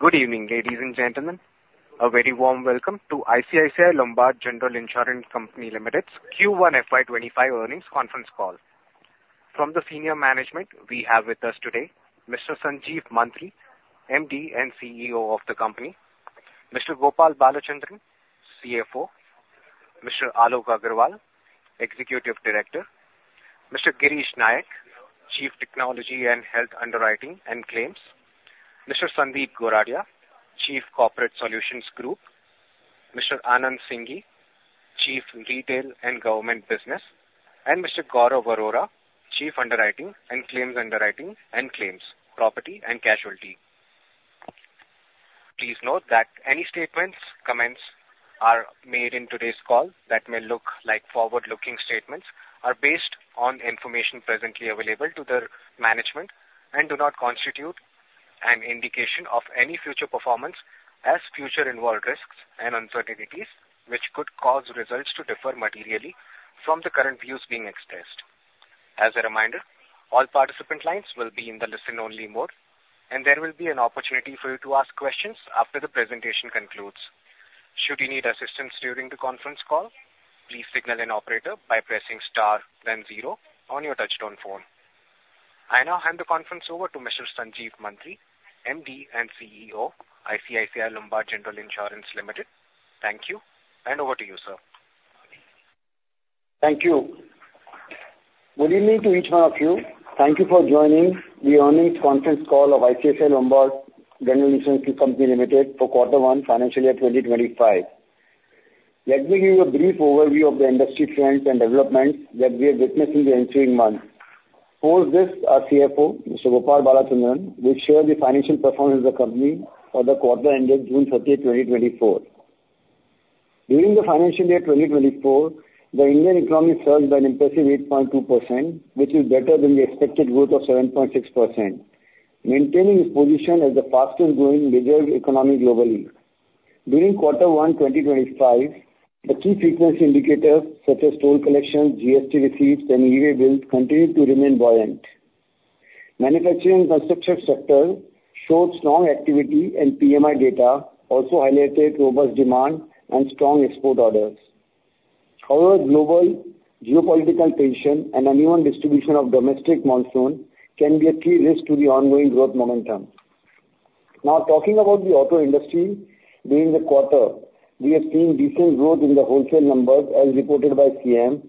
Good evening, ladies and gentlemen. A very warm welcome to ICICI Lombard General Insurance Company Limited's Q1 FY25 earnings conference call. From the senior management, we have with us today Mr. Sanjeev Mantri, MD and CEO of the company, Mr. Gopal Balachandran, CFO, Mr. Alok Agarwal, Executive Director, Mr. Girish Nayak, Chief Technology, Health Underwriting and Claims, Mr. Sandeep Goradia, Chief Corporate Solutions Group, Mr. Anand Singhi, Chief Retail and Government Business, and Mr. Gaurav Arora, Chief Underwriting and Claims, Property and Casualty. Please note that any statements, comments that are made in today's call that may look like forward-looking statements are based on information presently available to the management and do not constitute an indication of any future performance as the future involves risks and uncertainties, which could cause results to differ materially from the current views being expressed. As a reminder, all participant lines will be in the listen-only mode, and there will be an opportunity for you to ask questions after the presentation concludes. Should you need assistance during the conference call, please signal an operator by pressing star then zero on your touch-tone phone. I now hand the conference over to Mr. Sanjeev Mantri, Managing Director and CEO, ICICI Lombard General Insurance Company Limited. Thank you, and over to you, sir. Thank you. Good evening to each one of you. Thank you for joining the earnings conference call of ICICI Lombard General Insurance Company Limited for quarter one, Financial Year 2025. Let me give you a brief overview of the industry trends and developments that we have witnessed in the ensuing months. Post this, our CFO, Mr. Gopal Balachandran, will share the financial performance of the company for the quarter ended June 30th, 2024. During the financial year 2024, the Indian economy surged by an impressive 8.2%, which is better than the expected growth of 7.6%, maintaining its position as the fastest-growing major economy globally. During quarter one 2025, the key frequency indicators, such as toll collections, GST receipts, and E-way bills, continued to remain buoyant. Manufacturing construction sector showed strong activity, and PMI data also highlighted robust demand and strong export orders. However, global geopolitical tension and uneven distribution of domestic monsoon can be a key risk to the ongoing growth momentum. Now, talking about the auto industry, during the quarter, we have seen decent growth in the wholesale numbers as reported by SIAM,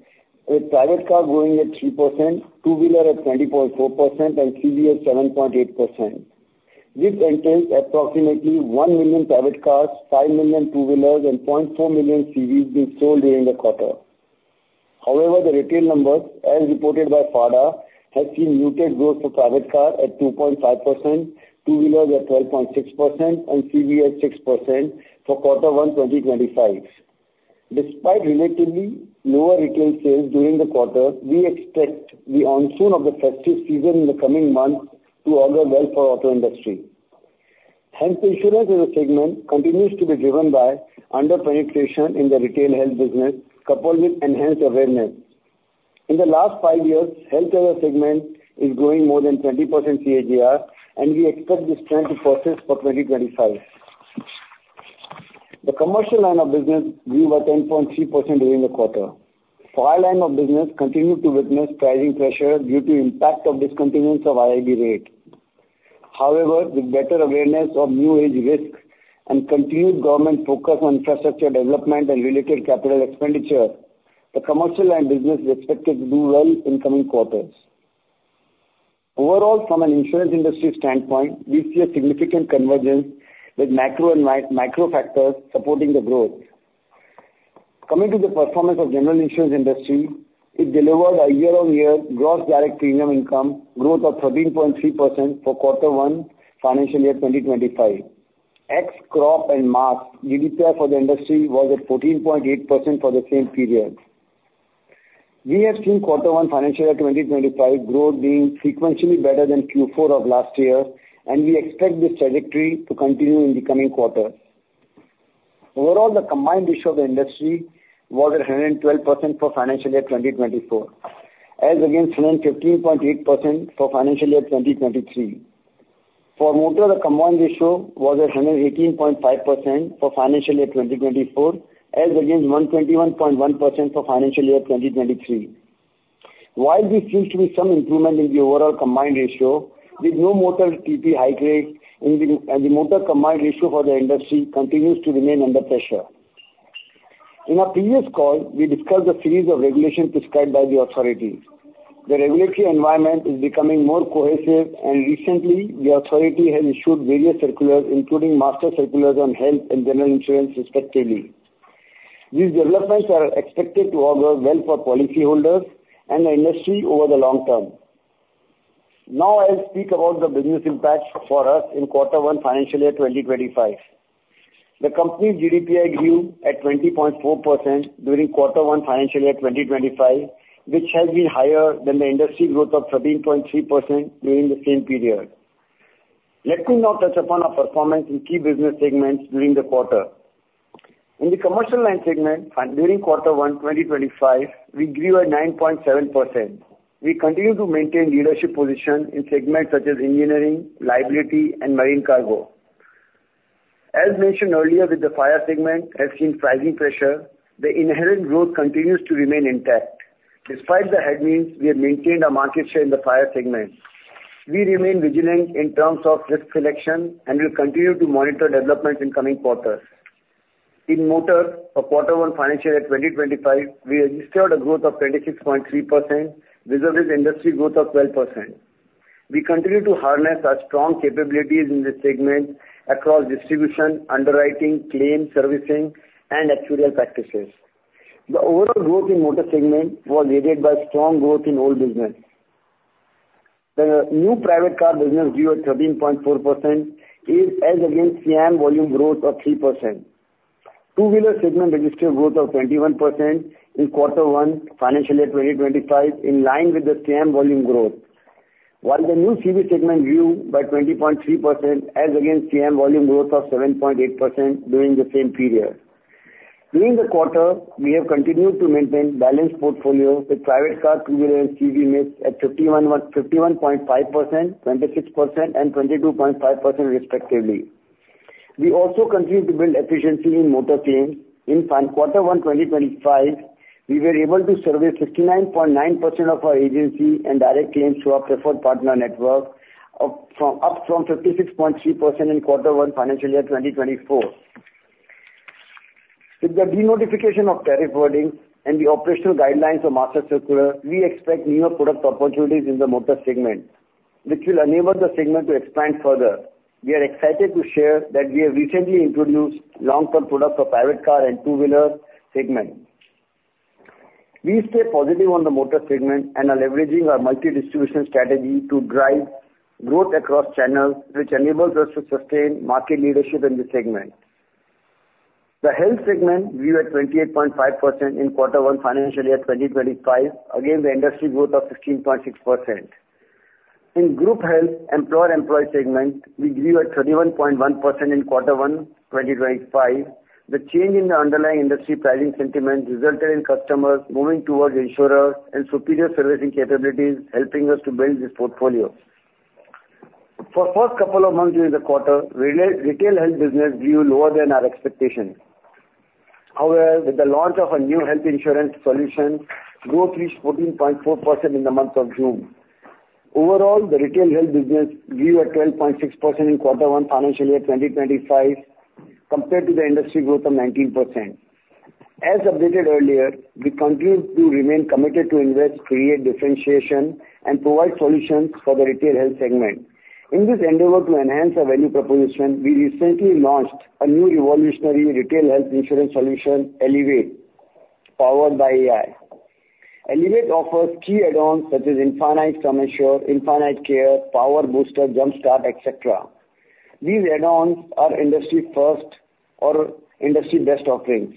with private car growing at 3%, two-wheeler at 20.4%, and CV at 7.8%. This entails approximately 1 million private cars, 5 million two-wheelers and 0.4 million CVs being sold during the quarter. However, the retail numbers, as reported by FADA, have seen muted growth for private car at 2.5%, two-wheelers at 12.6% and CV at 6% for quarter one 2025. Despite relatively lower retail sales during the quarter, we expect the onset of the festive season in the coming months to augur well for auto industry. Hence, insurance as a segment continues to be driven by under-penetration in the retail health business, coupled with enhanced awareness. In the last five years, healthcare segment is growing more than 20% CAGR, and we expect this trend to persist for 2025. The commercial line of business grew by 10.3% during the quarter. Fire line of business continued to witness pricing pressure due to impact of discontinuance of IIB rate. However, with better awareness of new age risks and continued government focus on infrastructure development and related capital expenditure, the commercial line business is expected to do well in coming quarters. Overall, from an insurance industry standpoint, we see a significant convergence with macro and micro factors supporting the growth. Coming to the performance of general insurance industry, it delivered a year-on-year gross direct premium income growth of 13.3% for quarter one, Financial Year 2025. Ex Crop and Mass, GDPI for the industry was at 14.8% for the same period. We have seen quarter one Financial Year 2025 growth being sequentially better than Q4 of last year, and we expect this trajectory to continue in the coming quarters. Overall, the combined ratio of the industry was at 112% for Financial Year 2024, as against 115.8% for Financial Year 2023. For motor, the combined ratio was at 118.5% for Financial Year 2024, as against 121.1% for Financial Year 2023. While we see some improvement in the overall combined ratio, with no motor TP hike rate and the motor combined ratio for the industry continues to remain under pressure. In our previous call, we discussed a series of regulations prescribed by the authorities. The regulatory environment is becoming more cohesive, and recently, the authority has issued various circulars, including master circulars on health and general insurance, respectively. These developments are expected to augur well for policyholders and the industry over the long term. Now, I'll speak about the business impact for us in quarter one, Financial Year 2025. The company's GDPI grew at 20.4% during quarter one, Financial Year 2025, which has been higher than the industry growth of 13.3% during the same period. Let me now touch upon our performance in key business segments during the quarter. In the commercial line segment, during quarter one, 2025, we grew at 9.7%. We continue to maintain leadership position in segments such as Engineering, Liability, and Marine Cargo. As mentioned earlier, with the Fire segment has seen pricing pressure, the inherent growth continues to remain intact. Despite the headwinds, we have maintained our market share in the Fire segment. We remain vigilant in terms of risk selection, and we'll continue to monitor developments in coming quarters. In motor, for quarter one financial year 2025, we registered a growth of 26.3%, resulted in industry growth of 12%. We continue to harness our strong capabilities in this segment across distribution, underwriting, claims, servicing, and actuarial practices. The overall growth in motor segment was aided by strong growth in all business. The new private car business grew at 13.4% as against SIAM volume growth of 3%. Two-wheeler segment registered growth of 21% in quarter one, financial year 2025, in line with the SIAM volume growth. While the new CV segment grew by 20.3%, as against SIAM volume growth of 7.8% during the same period. During the quarter, we have continued to maintain balanced portfolio with private car, two-wheeler, and CV mix at 51.1%-51.5%, 26%, and 22.5% respectively. We also continue to build efficiency in motor claims. In quarter one, 2025, we were able to service 59.9% of our agency and direct claims through our Preferred Partner Network, up from 56.3% in quarter one, financial year 2024. With the de-notification of tariff wording and the operational guidelines of master circular, we expect newer product opportunities in the motor segment, which will enable the segment to expand further. We are excited to share that we have recently introduced long-term products for private car and two-wheeler segment. We stay positive on the motor segment and are leveraging our multi-distribution strategy to drive growth across channels, which enables us to sustain market leadership in this segment. The health segment grew at 28.5% in quarter one, financial year 2025, against the industry growth of 16.6%. In group health employer-employee segment, we grew at 31.1% in quarter one, 2025. The change in the underlying industry pricing sentiment resulted in customers moving towards insurers and superior servicing capabilities, helping us to build this portfolio. For first couple of months during the quarter, retail health business grew lower than our expectations. However, with the launch of a new health insurance solution, growth reached 14.4% in the month of June. Overall, the retail health business grew at 12.6% in quarter one, financial year 2025, compared to the industry growth of 19%. As updated earlier, we continue to remain committed to invest, create differentiation, and provide solutions for the retail health segment. In this endeavor to enhance our value proposition, we recently launched a new revolutionary retail health insurance solution, Elevate, powered by AI. Elevate offers key add-ons such as Infinite Sum Insured, Infinite Care, Power Booster, Jumpstart, et cetera. These add-ons are industry first or industry best offerings.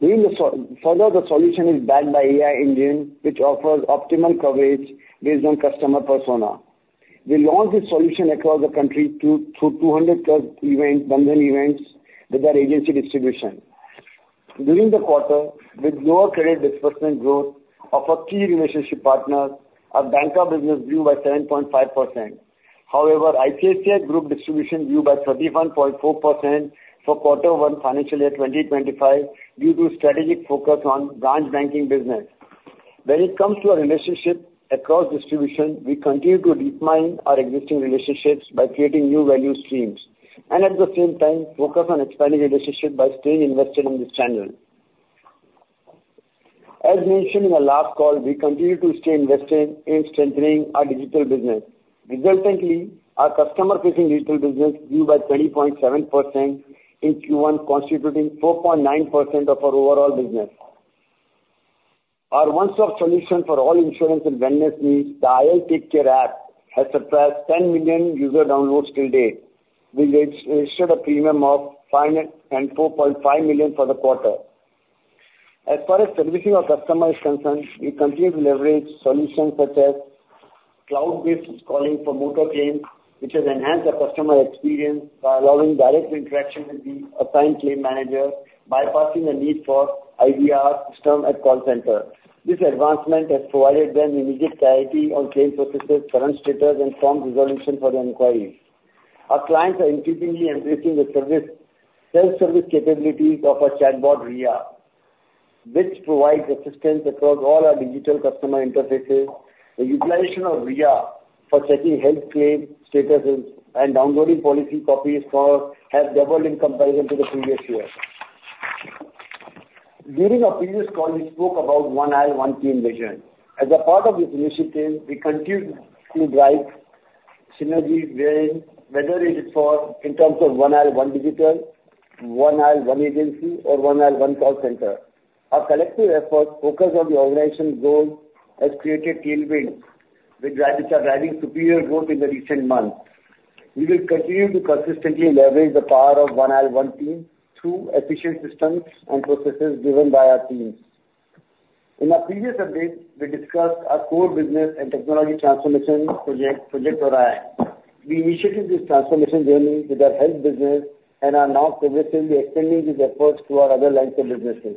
We will further, the solution is backed by AI engine, which offers optimal coverage based on customer persona. We launched this solution across the country through 200+ events, bundle events with our agency distribution. During the quarter, with lower credit disbursement growth of our key relationship partners, our banca business grew by 7.5%. However, ICICI Group distribution grew by 31.4% for quarter one, financial year 2025, due to strategic focus on branch banking business. When it comes to our relationship across distribution, we continue to deepen our existing relationships by creating new value streams, and at the same time, focus on expanding relationship by staying invested in this channel. As mentioned in our last call, we continue to stay invested in strengthening our digital business. Resultantly, our customer-facing digital business grew by 20.7% in Q1, constituting 4.9% of our overall business. Our one-stop solution for all insurance and wellness needs, the IL TakeCare app, has surpassed 10 million user downloads till date. We registered a premium of 54.5 million for the quarter. As far as servicing our customer is concerned, we continue to leverage solutions such as cloud-based calling for motor claims, which has enhanced the customer experience by allowing direct interaction with the assigned claim manager, bypassing the need for IVR system at call center. This advancement has provided them immediate clarity on claim processes, current status, and form resolution for their inquiries. Our clients are increasingly embracing the self-service capabilities of our chatbot, RIA, which provides assistance across all our digital customer interfaces. The utilization of RIA for checking health claim statuses and downloading policy copies for has doubled in comparison to the previous year. During our previous call, we spoke about One IL One Team vision. As a part of this initiative, we continue to drive synergy wherein, whether it is for in terms of One IL One Digital, One IL One Agency, or One IL One Call Center, our collective effort focus on the organization's goal has created tailwinds, which are driving superior growth in the recent months. We will continue to consistently leverage the power of One IL One Team through efficient systems and processes driven by our teams. In our previous update, we discussed our core business and technology transformation project, Project Orion. We initiated this transformation journey with our health business and are now progressively extending these efforts to our other lines of businesses.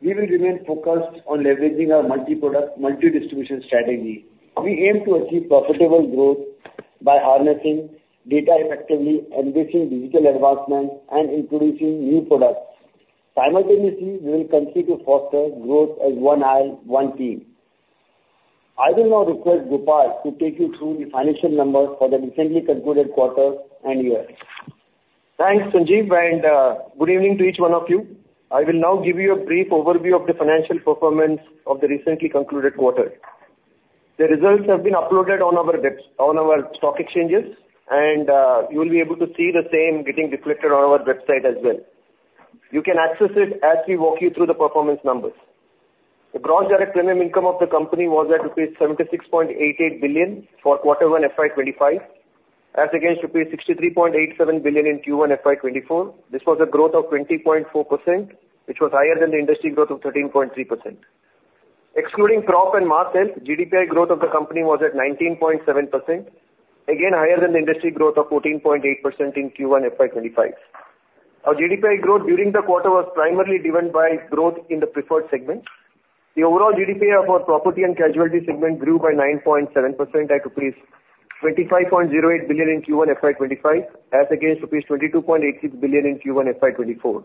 We will remain focused on leveraging our multi-product, multi-distribution strategy. We aim to achieve profitable growth by harnessing data effectively, embracing digital advancement, and introducing new products. Simultaneously, we will continue to foster growth as one IL, one team. I will now request Gopal to take you through the financial numbers for the recently concluded quarter and year. Thanks, Sanjeev, and good evening to each one of you. I will now give you a brief overview of the financial performance of the recently concluded quarter. The results have been uploaded on our website, on our stock exchanges, and you will be able to see the same getting reflected on our website as well. You can access it as we walk you through the performance numbers. The gross direct premium income of the company was at rupees 76.88 billion for quarter one FY 2025, as against rupees 63.87 billion in Q1 FY 2024. This was a growth of 20.4%, which was higher than the industry growth of 13.3%. Excluding Crop and Mass Health, GDPI growth of the company was at 19.7%, again higher than the industry growth of 14.8% in Q1 FY 2025. Our GDPI growth during the quarter was primarily driven by growth in the preferred segments. The overall GDPI of our property and casualty segment grew by 9.7% at rupees 25.08 billion in Q1 FY 2025, as against rupees 22.86 billion in Q1 FY 2024.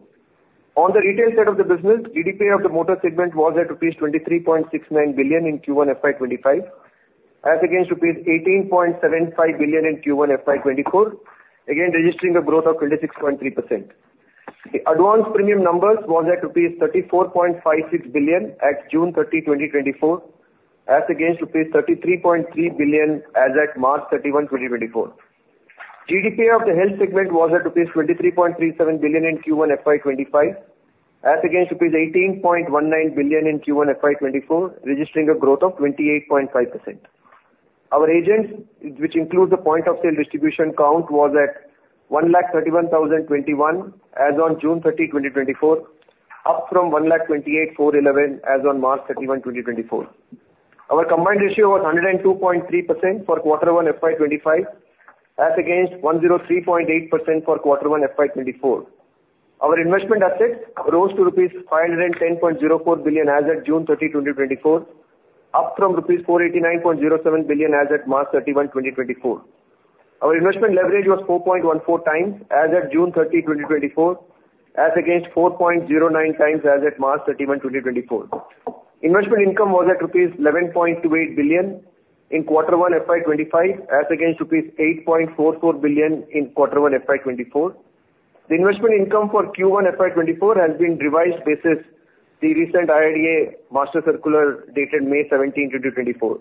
On the retail side of the business, GDPI of the motor segment was at rupees 23.69 billion in Q1 FY 2025, as against rupees 18.75 billion in Q1 FY 2024, again registering a growth of 26.3%. The advance premium numbers was at rupees 34.56 billion at June 30, 2024, as against rupees 33.3 billion as at March 31, 2024. GDPI of the health segment was at rupees 23.37 billion in Q1 FY25, as against rupees 18.19 billion in Q1 FY24, registering a growth of 28.5%. Our agents, which includes the point of sale distribution count, was at 131,021 as on June 30, 2024, up from 128,411 as on March 31, 2024. Our combined ratio was 102.3% for quarter 1 FY25, as against 103.8% for quarter one FY24. Our investment assets rose to rupees 510.04 billion as at June 30, 2024, up from rupees 489.07 billion as at March 31, 2024. Our investment leverage was 4.14 times as at June 30, 2024, as against 4.09 times as at March 31, 2024. Investment income was at rupees 11.28 billion in quarter one FY 2025, as against rupees 8.44 billion in quarter one FY 2024. The investment income for Q1 FY 2024 has been revised basis the recent IRDA Master Circular dated May 13, 2024.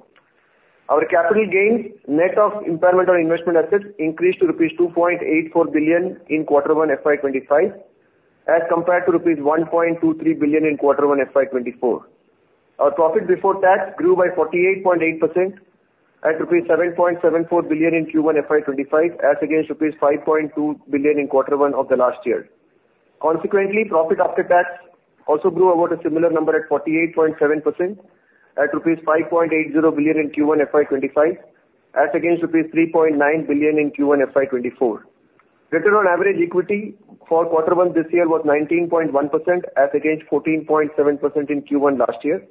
Our capital gains, net of impairment on investment assets, increased to INR 2.84 billion in quarter one FY 2025, as compared to INR 1.23 billion in quarter one FY 2024. Our profit before tax grew by 48.8% at rupees 7.74 billion in Q1 FY25, as against rupees 5.2 billion in quarter one of the last year. Consequently, profit after tax also grew about a similar number at 48.7% at rupees 5.80 billion in Q1 FY25, as against rupees 3.9 billion in Q1 FY24. Return on average equity for quarter one this year was 19.1%, as against 14.7% in Q1 last year.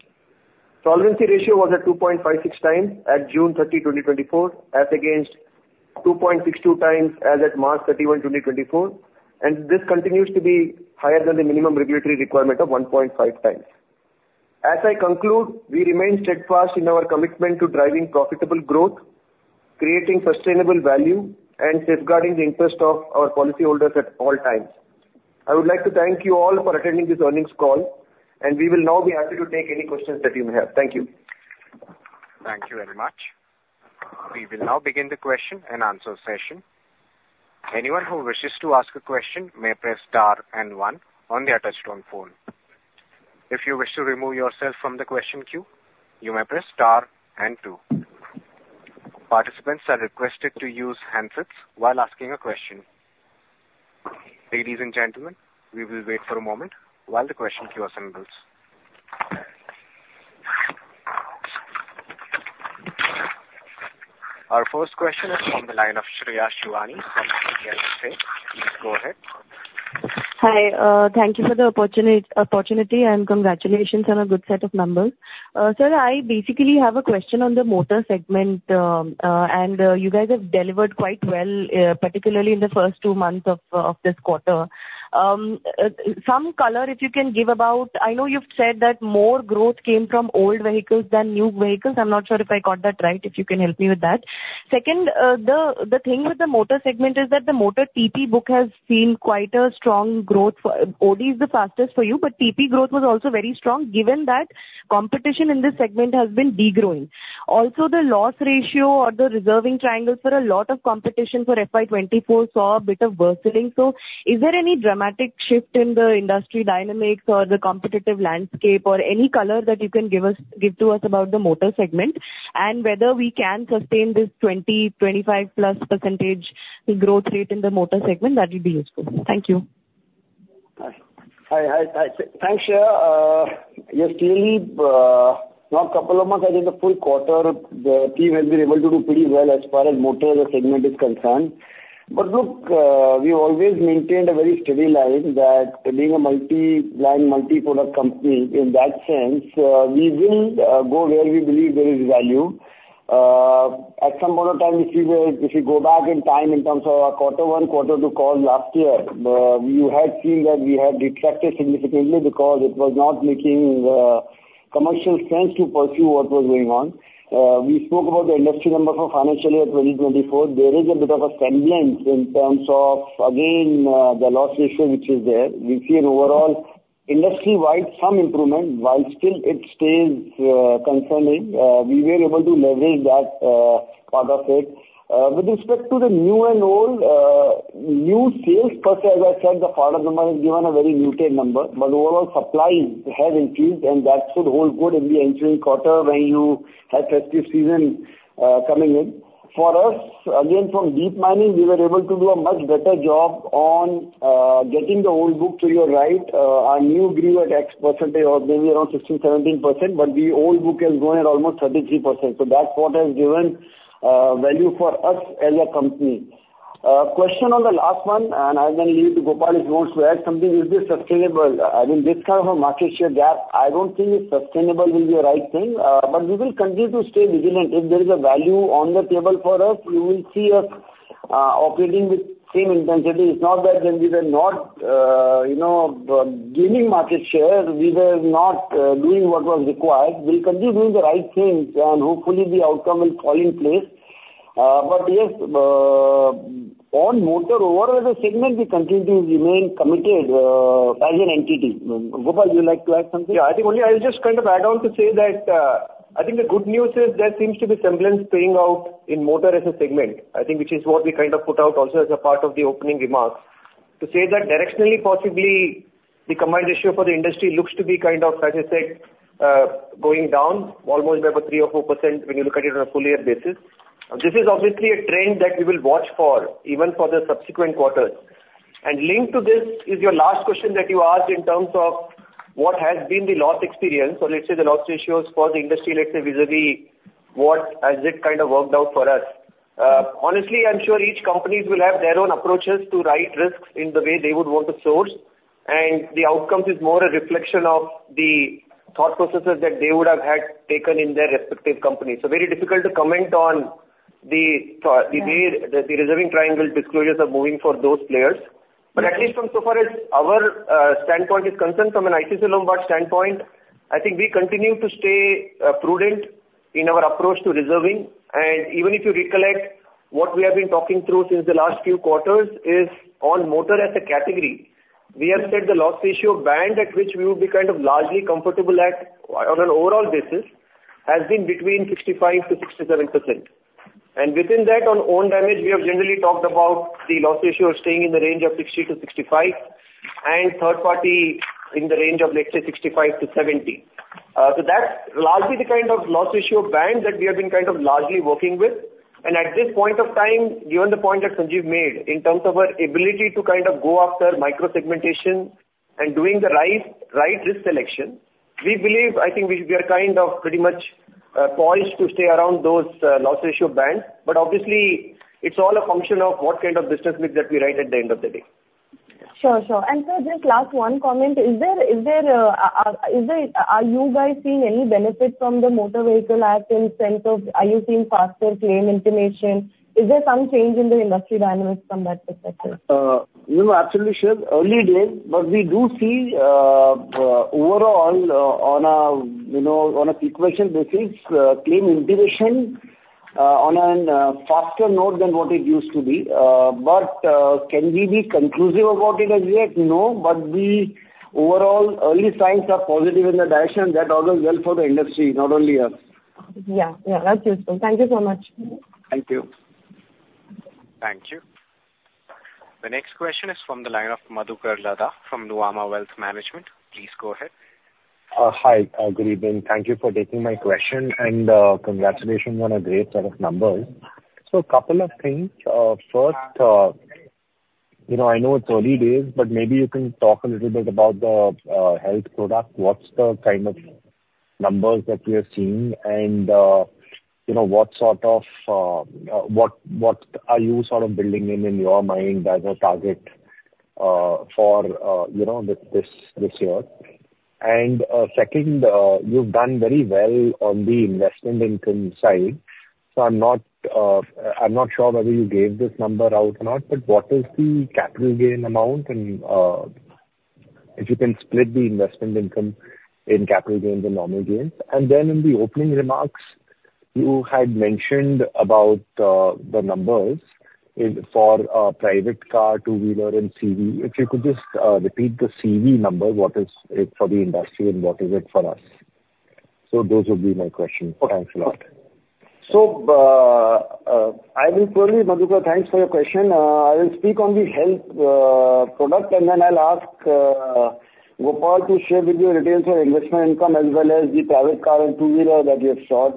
Solvency ratio was at 2.56 times at June 30, 2024, as against 2.62 times as at March 31, 2024, and this continues to be higher than the minimum regulatory requirement of 1.5 times. As I conclude, we remain steadfast in our commitment to driving profitable growth, creating sustainable value, and safeguarding the interest of our policyholders at all times. I would like to thank you all for attending this earnings call, and we will now be happy to take any questions that you may have. Thank you. Thank you very much. We will now begin the question and answer session. Anyone who wishes to ask a question may press star and one on their touch-tone phone. If you wish to remove yourself from the question queue, you may press star and two. Participants are requested to use handsets while asking a question. Ladies and gentlemen, we will wait for a moment while the question queue assembles. Our first question is from the line of Shreya Shivani from CLSA. Please go ahead. Hi, thank you for the opportunity, and congratulations on a good set of numbers. Sir, I basically have a question on the motor segment, and you guys have delivered quite well, particularly in the first two months of this quarter. Some color, if you can give about. I know you've said that more growth came from old vehicles than new vehicles. I'm not sure if I got that right, if you can help me with that. Second, the thing with the motor segment is that the motor TP book has seen quite a strong growth for OD is the fastest for you, but TP growth was also very strong, given that competition in this segment has been degrowing. Also, the loss ratio or the reserving triangles for a lot of competition for FY 2024 saw a bit of worsening. So is there any dramatic shift in the industry dynamics or the competitive landscape or any color that you can give to us about the motor segment? And whether we can sustain this 20, 25+% growth rate in the motor segment, that would be useful. Thank you.... Hi, hi, hi. Thanks, Shreya. Yes, clearly, not couple of months, I think the full quarter, the team has been able to do pretty well as far as motor as a segment is concerned. But look, we always maintained a very steady line that being a multi-line, multi-product company, in that sense, we will go where we believe there is value. At some point of time, if you will, if you go back in time in terms of our quarter one, quarter two call last year, you had seen that we had retracted significantly because it was not making commercial sense to pursue what was going on. We spoke about the industry number for financial year 2024. There is a bit of a semblance in terms of, again, the loss ratio, which is there. We see an overall industry-wide some improvement, while still it stays concerning. We were able to leverage that part of it. With respect to the new and old new sales, first, as I said, the part of the number is given a very muted number, but overall supplies have increased, and that should hold good in the ensuing quarter when you have festive season coming in. For us, again, from deep mining, we were able to do a much better job on getting the old book to your right. Our new grew at X percentage or maybe around 16%, 17%, but the old book has grown at almost 33%. So that's what has given value for us as a company. Question on the last one, and I then leave to Gopal if he wants to add something. Is this sustainable? I mean, this kind of a market share gap, I don't think it's sustainable will be a right thing, but we will continue to stay vigilant. If there is a value on the table for us, you will see us, operating with same intensity. It's not that when we were not, you know, gaining market share, we were not, doing what was required. We'll continue doing the right things, and hopefully the outcome will fall in place. But yes, on motor, overall as a segment, we continue to remain committed, as an entity. Gopal, would you like to add something? Yeah, I think only I'll just kind of add on to say that, I think the good news is there seems to be semblance playing out in motor as a segment. I think, which is what we kind of put out also as a part of the opening remarks. To say that directionally, possibly, the combined ratio for the industry looks to be kind of, as I said, going down almost by about 3% or 4% when you look at it on a full year basis. This is obviously a trend that we will watch for, even for the subsequent quarters. And linked to this is your last question that you asked in terms of what has been the loss experience or let's say, the loss ratios for the industry, let's say, vis-a-vis, what has it kind of worked out for us? Honestly, I'm sure each companies will have their own approaches to write risks in the way they would want to source, and the outcomes is more a reflection of the thought processes that they would have had taken in their respective companies. So very difficult to comment on the, the way- Yeah. The reserving triangle disclosures are moving for those players. Yes. But at least from so far as our standpoint is concerned, from an ICICI Lombard standpoint, I think we continue to stay prudent in our approach to reserving. And even if you recollect, what we have been talking through since the last few quarters is on motor as a category, we have set the loss ratio band at which we would be kind of largely comfortable at on an overall basis, has been between 65%-67%. And within that, on own damage, we have generally talked about the loss ratio staying in the range of 60%-65%, and third party in the range of, let's say, 65%-70%. So that's largely the kind of loss ratio band that we have been kind of largely working with. At this point of time, given the point that Sanjeev made in terms of our ability to kind of go after micro segmentation and doing the right, right risk selection, we believe, I think we are kind of pretty much poised to stay around those loss ratio bands. But obviously, it's all a function of what kind of business mix that we write at the end of the day. Sure, sure. And so just last one comment. Is there, are you guys seeing any benefit from the Motor Vehicles Act in sense of are you seeing faster claim intimation? Is there some change in the industry dynamics from that perspective? You know, absolutely sure, early days, but we do see overall, on a, you know, on a sequential basis, claim intimation on an faster note than what it used to be. But can we be conclusive about it as yet? No, but the overall early signs are positive in the direction that also well for the industry, not only us. Yeah. Yeah, that's useful. Thank you so much. Thank you. Thank you. The next question is from the line of Madhukar Ladha from Nuvama Wealth Management. Please go ahead. Hi, good evening. Thank you for taking my question, and, congratulations on a great set of numbers! A couple of things. First, you know, I know it's early days, but maybe you can talk a little bit about the health product. What's the kind of numbers that we are seeing? And, you know, what sort of, what, what are you sort of building in, in your mind as a target, for, you know, this, this year? And, second, you've done very well on the investment income side, so I'm not, I'm not sure whether you gave this number out or not, but what is the capital gain amount? And, if you can split the investment income in capital gains and normal gains. And then in the opening remarks, you had mentioned about the numbers in for private car, two-wheeler, and CV. If you could just repeat the CV number, what is it for the industry and what is it for us? So those would be my questions. Okay. Thanks a lot. So, I will probably, Madhukar, thanks for your question. I will speak on the health product, and then I'll ask Gopal to share with you details of investment income as well as the private car and two-wheeler that you have sought.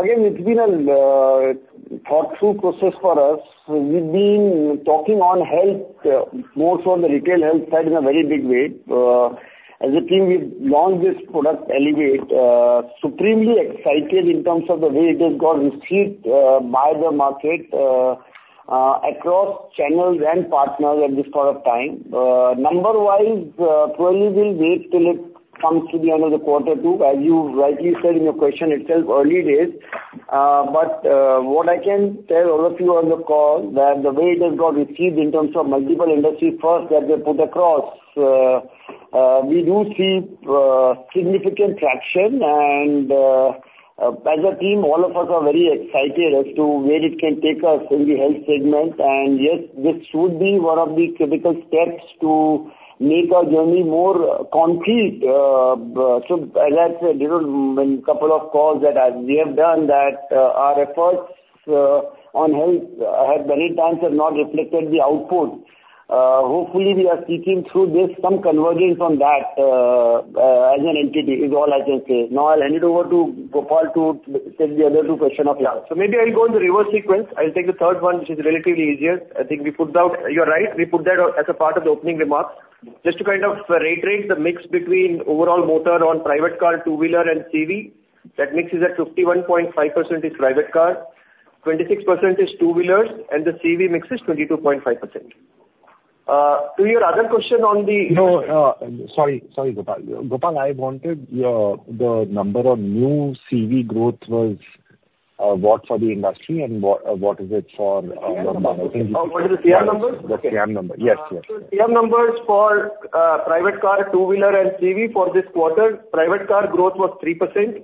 Again, it's been a thought through process for us. We've been talking on health, more so on the retail health side in a very big way. As a team, we've launched this product, Elevate. Supremely excited in terms of the way it has got received by the market across channels and partners at this point of time. Number wise, probably we'll wait till it comes to the end of the quarter two. As you rightly said in your question itself, early days. But what I can tell all of you on the call that the way it has got received in terms of multiple industry first that we have put across, we do see significant traction. As a team, all of us are very excited as to where it can take us in the health segment. Yes, this would be one of the critical steps to make our journey more complete. So as I said, you know, in couple of calls that we have done that, our efforts on health, many times have not reflected the output. Hopefully, we are seeing through this some convergence on that, as an entity is all I can say. Now, I'll hand it over to Gopal to take the other two questions up. Yeah. So maybe I'll go in the reverse sequence. I'll take the third one, which is relatively easier. I think we put out... You're right, we put that out as a part of the opening remarks. Just to kind of reiterate the mix between overall motor on private car, two-wheeler and CV, that mix is at 51.5% is private car, 26% is two-wheelers, and the CV mix is 22.5%. To your other question on the- No, sorry. Sorry, Gopal. Gopal, I wanted your, the number of new CV growth was, what for the industry and what, what is it for, your number? Oh, what is the SIAM numbers? The SIAM number. Yes, yes. SIAM numbers for private car, two-wheeler and CV for this quarter, private car growth was 3%,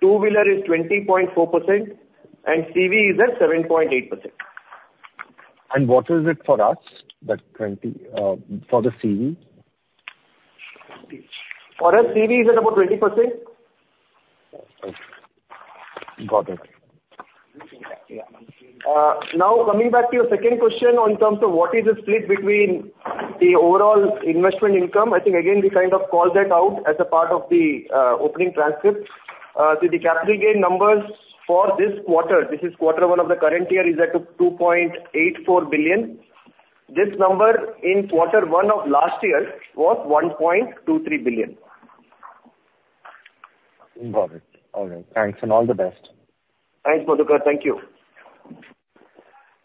two-wheeler is 20.4%, and CV is at 7.8%. What is it for us, that 20, for the CV? For us, CV is at about 20%. Okay. Got it. Now, coming back to your second question on terms of what is the split between the overall investment income, I think again, we kind of called that out as a part of the opening transcript. So the capital gain numbers for this quarter, this is quarter one of the current year, is at 2.84 billion. This number in quarter one of last year was 1.23 billion. Got it. All right. Thanks, and all the best. Thanks, Madhukar. Thank you.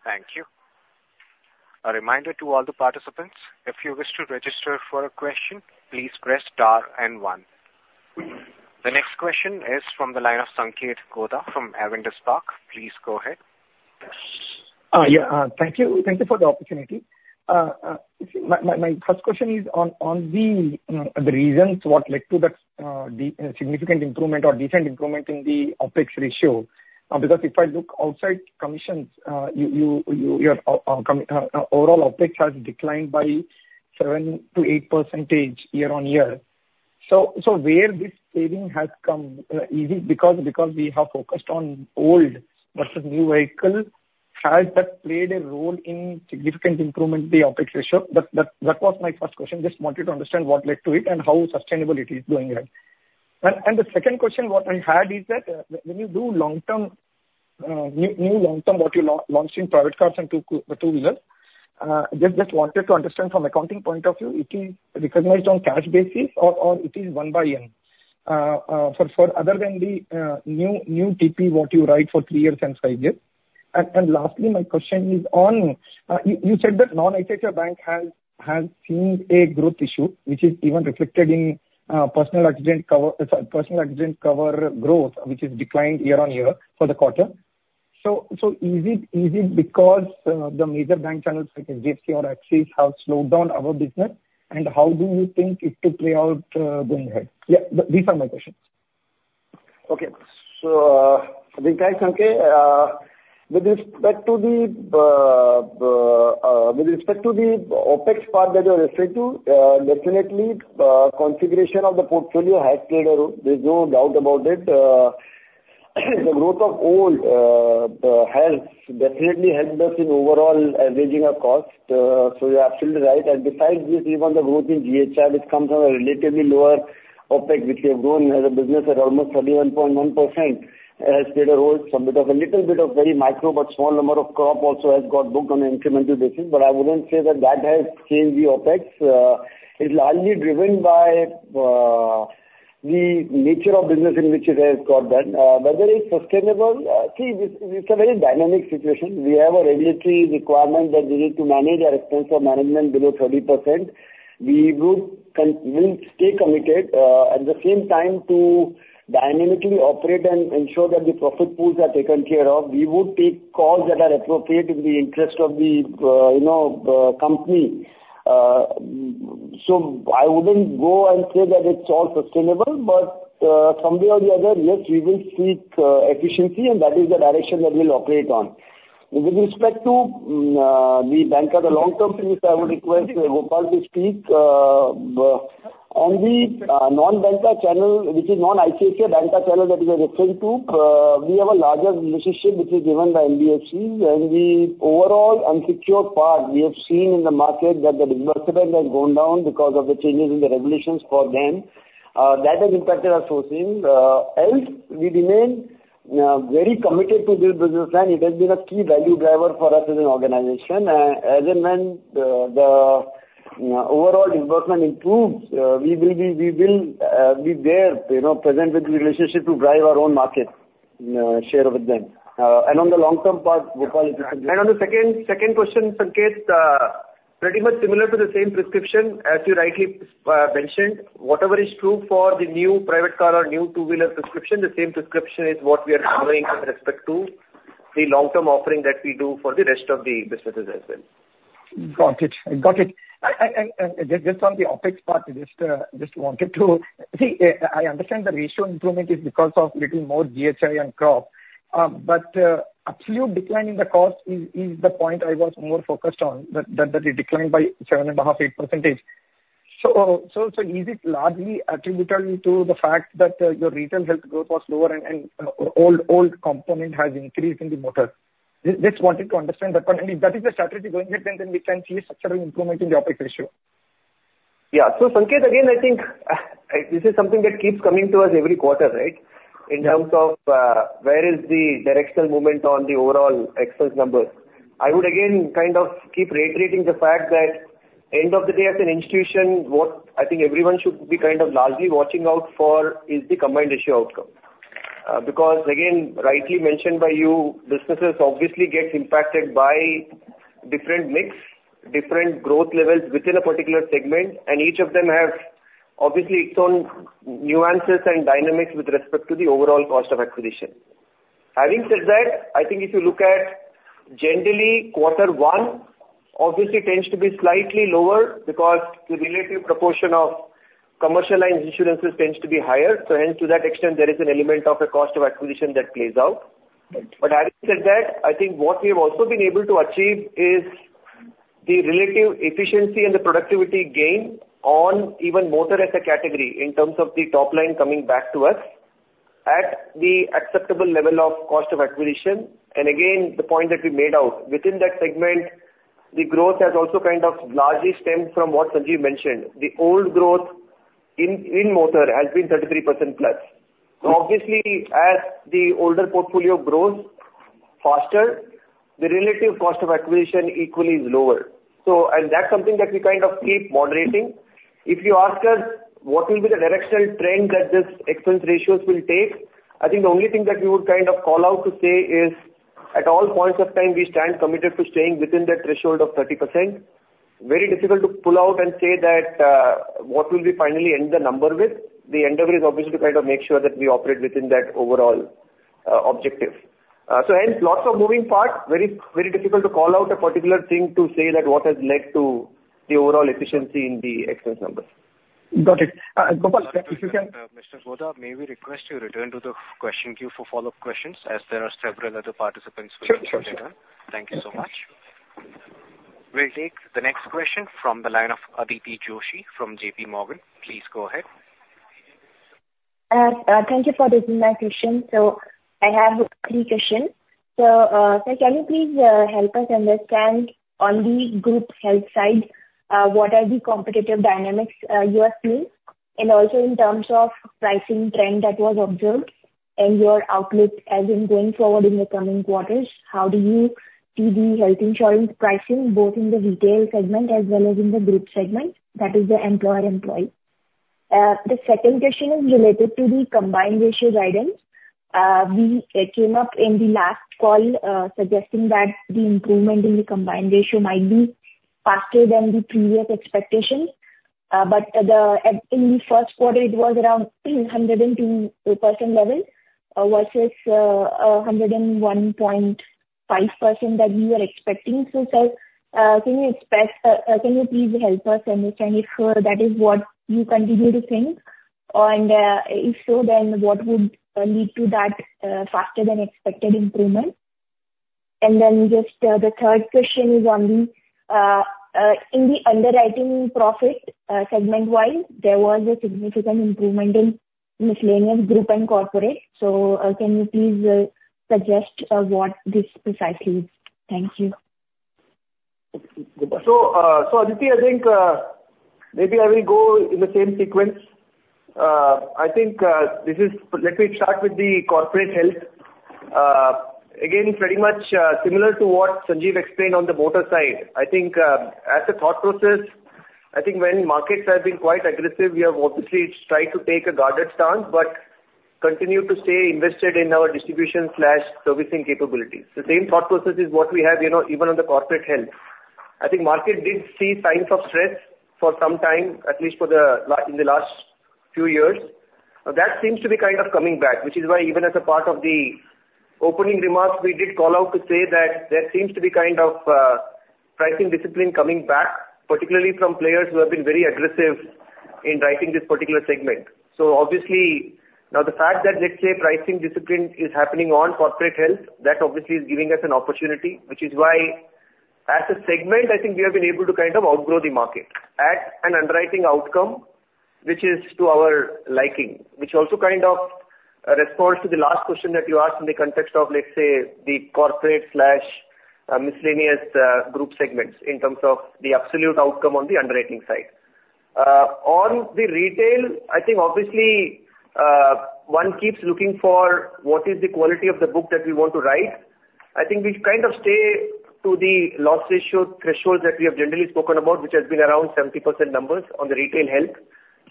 Thank you. A reminder to all the participants, if you wish to register for a question, please press star and one. The next question is from the line of Sanket Godha from Avendus Spark. Please go ahead. Yeah, thank you. Thank you for the opportunity. My first question is on the reasons what led to that significant improvement or decent improvement in the OpEx ratio. Because if I look outside commissions, your overall OpEx has declined by 7%-8% year-on-year. So where this saving has come, is it because we have focused on old versus new vehicle, has that played a role in significant improvement in the OpEx ratio? That was my first question. Just wanted to understand what led to it and how sustainable it is going ahead. And the second question that I had is that, when you do long-term new long-term what you launch in private cars and two-wheeler, just wanted to understand from accounting point of view, it is recognized on cash basis or it is on year-end? For other than the new TP, what you write for three years and five years. And lastly, my question is on, you said that non-ICICI Bank has seen a growth issue, which is even reflected in personal accident cover growth, which has declined year-on-year for the quarter. So is it because the major bank channels like HDFC or Axis have slowed down our business? And how do you think it could play out going ahead? Yeah, these are my questions. Okay. So, thanks, Sanket. With respect to the OpEx part that you are referring to, definitely, configuration of the portfolio has played a role, there's no doubt about it. The growth of old has definitely helped us in overall averaging our cost. So you're absolutely right. And besides this, even the growth in GHI, which comes from a relatively lower OpEx, which we have grown as a business at almost 31.1%, has played a role. So because a little bit of very micro but small number of crop also has got booked on an incremental basis. But I wouldn't say that that has changed the OpEx. It's largely driven by the nature of business in which it has got done. Whether it's sustainable, see, it's a very dynamic situation. We have a regulatory requirement that we need to manage our expense of management below 30%. We will stay committed, at the same time, to dynamically operate and ensure that the profit pools are taken care of. We would take calls that are appropriate in the interest of the, you know, company. So I wouldn't go and say that it's all sustainable, but, someday or the other, yes, we will seek efficiency, and that is the direction that we'll operate on. With respect to the banca, the long-term piece, I would request Gopal to speak. On the non-banca channel, which is non-ICICI Bank channel that you are referring to, we have a larger relationship which is driven by NBFCs. The overall unsecured part, we have seen in the market that the disbursement has gone down because of the changes in the regulations for them.... that has impacted our sourcing, else we remain very committed to this business and it has been a key value driver for us as an organization. As and when the overall disbursement improves, we will be there, you know, present with the relationship to drive our own market share with them. And on the long-term part, Gopal- On the second, second question, Sanket, pretty much similar to the same prescription, as you rightly mentioned, whatever is true for the new private car or new two-wheeler prescription, the same prescription is what we are covering with respect to the long-term offering that we do for the rest of the businesses as well. Got it. Got it. I just on the OpEx part, just wanted to see. I understand the ratio improvement is because of little more GHI and crop, but absolute decline in the cost is the point I was more focused on, that it declined by 7.5%-8%. So is it largely attributable to the fact that your retail health growth was lower and old component has increased in the motor? Just wanted to understand that one. I mean, that is the strategy going ahead, and then we can see structural improvement in the OpEx ratio. Yeah. So Sanket, again, I think, this is something that keeps coming to us every quarter, right? In terms of, where is the directional movement on the overall expense number. I would again, kind of keep reiterating the fact that end of the day, as an institution, what I think everyone should be kind of largely watching out for is the combined ratio outcome. Because again, rightly mentioned by you, businesses obviously get impacted by different mix, different growth levels within a particular segment, and each of them have obviously its own nuances and dynamics with respect to the overall cost of acquisition. Having said that, I think if you look at generally quarter one, obviously tends to be slightly lower because the relative proportion of commercial line insurances tends to be higher. So hence, to that extent, there is an element of a cost of acquisition that plays out. But having said that, I think what we have also been able to achieve is the relative efficiency and the productivity gain on even motor as a category, in terms of the top line coming back to us at the acceptable level of cost of acquisition. And again, the point that we made out, within that segment, the growth has also kind of largely stemmed from what Sanjeev mentioned. The old growth in motor has been 33%+. So obviously, as the older portfolio grows faster, the relative cost of acquisition equally is lower. So, and that's something that we kind of keep moderating. If you ask us what will be the directional trend that this expense ratios will take, I think the only thing that we would kind of call out to say is, at all points of time, we stand committed to staying within that threshold of 30%. Very difficult to pull out and say that, what will we finally end the number with. The endeavor is obviously to kind of make sure that we operate within that overall objective. So hence, lots of moving parts, very, very difficult to call out a particular thing to say that what has led to the overall efficiency in the expense numbers. Got it. Gopal, if you can- Mr. Godha, may we request you return to the question queue for follow-up questions, as there are several other participants who want to join in. Sure, sure. Thank you so much. We'll take the next question from the line of Aditi Joshi from JPMorgan. Please go ahead. Thank you for taking my question. So I have three questions. So, sir, can you please help us understand on the group health side, what are the competitive dynamics you are seeing? And also in terms of pricing trend that was observed and your outlook as in going forward in the coming quarters, how do you see the health insurance pricing, both in the retail segment as well as in the group segment, that is the employer-employee? The second question is related to the combined ratio guidance. We came up in the last call, suggesting that the improvement in the combined ratio might be faster than the previous expectations, but in the first quarter, it was around 102% level, versus 101.5% that we were expecting. So, sir, can you please help us understand if that is what you continue to think? And, if so, then what would lead to that faster than expected improvement? And then just the third question is on the underwriting profit, segment-wise, there was a significant improvement in miscellaneous group and corporate. So, can you please suggest what this precisely is? Thank you. So, Aditi, I think maybe I will go in the same sequence. I think let me start with the corporate health. Again, pretty much similar to what Sanjeev explained on the motor side. I think, as a thought process, I think when markets have been quite aggressive, we have obviously tried to take a guarded stance, but continue to stay invested in our distribution slash servicing capabilities. The same thought process is what we have, you know, even on the corporate health. I think market did see signs of stress for some time, at least in the last few years. That seems to be kind of coming back, which is why even as a part of the opening remarks, we did call out to say that there seems to be kind of, pricing discipline coming back, particularly from players who have been very aggressive in writing this particular segment. So obviously, now the fact that, let's say, pricing discipline is happening on corporate health, that obviously is giving us an opportunity, which is why, as a segment, I think we have been able to kind of outgrow the market at an underwriting outcome, which is to our liking, which also kind of a response to the last question that you asked in the context of, let's say, the corporate slash miscellaneous group segments in terms of the absolute outcome on the underwriting side. On the retail, I think obviously, one keeps looking for what is the quality of the book that we want to write. I think we kind of stay to the loss ratio thresholds that we have generally spoken about, which has been around 70% numbers on the retail health.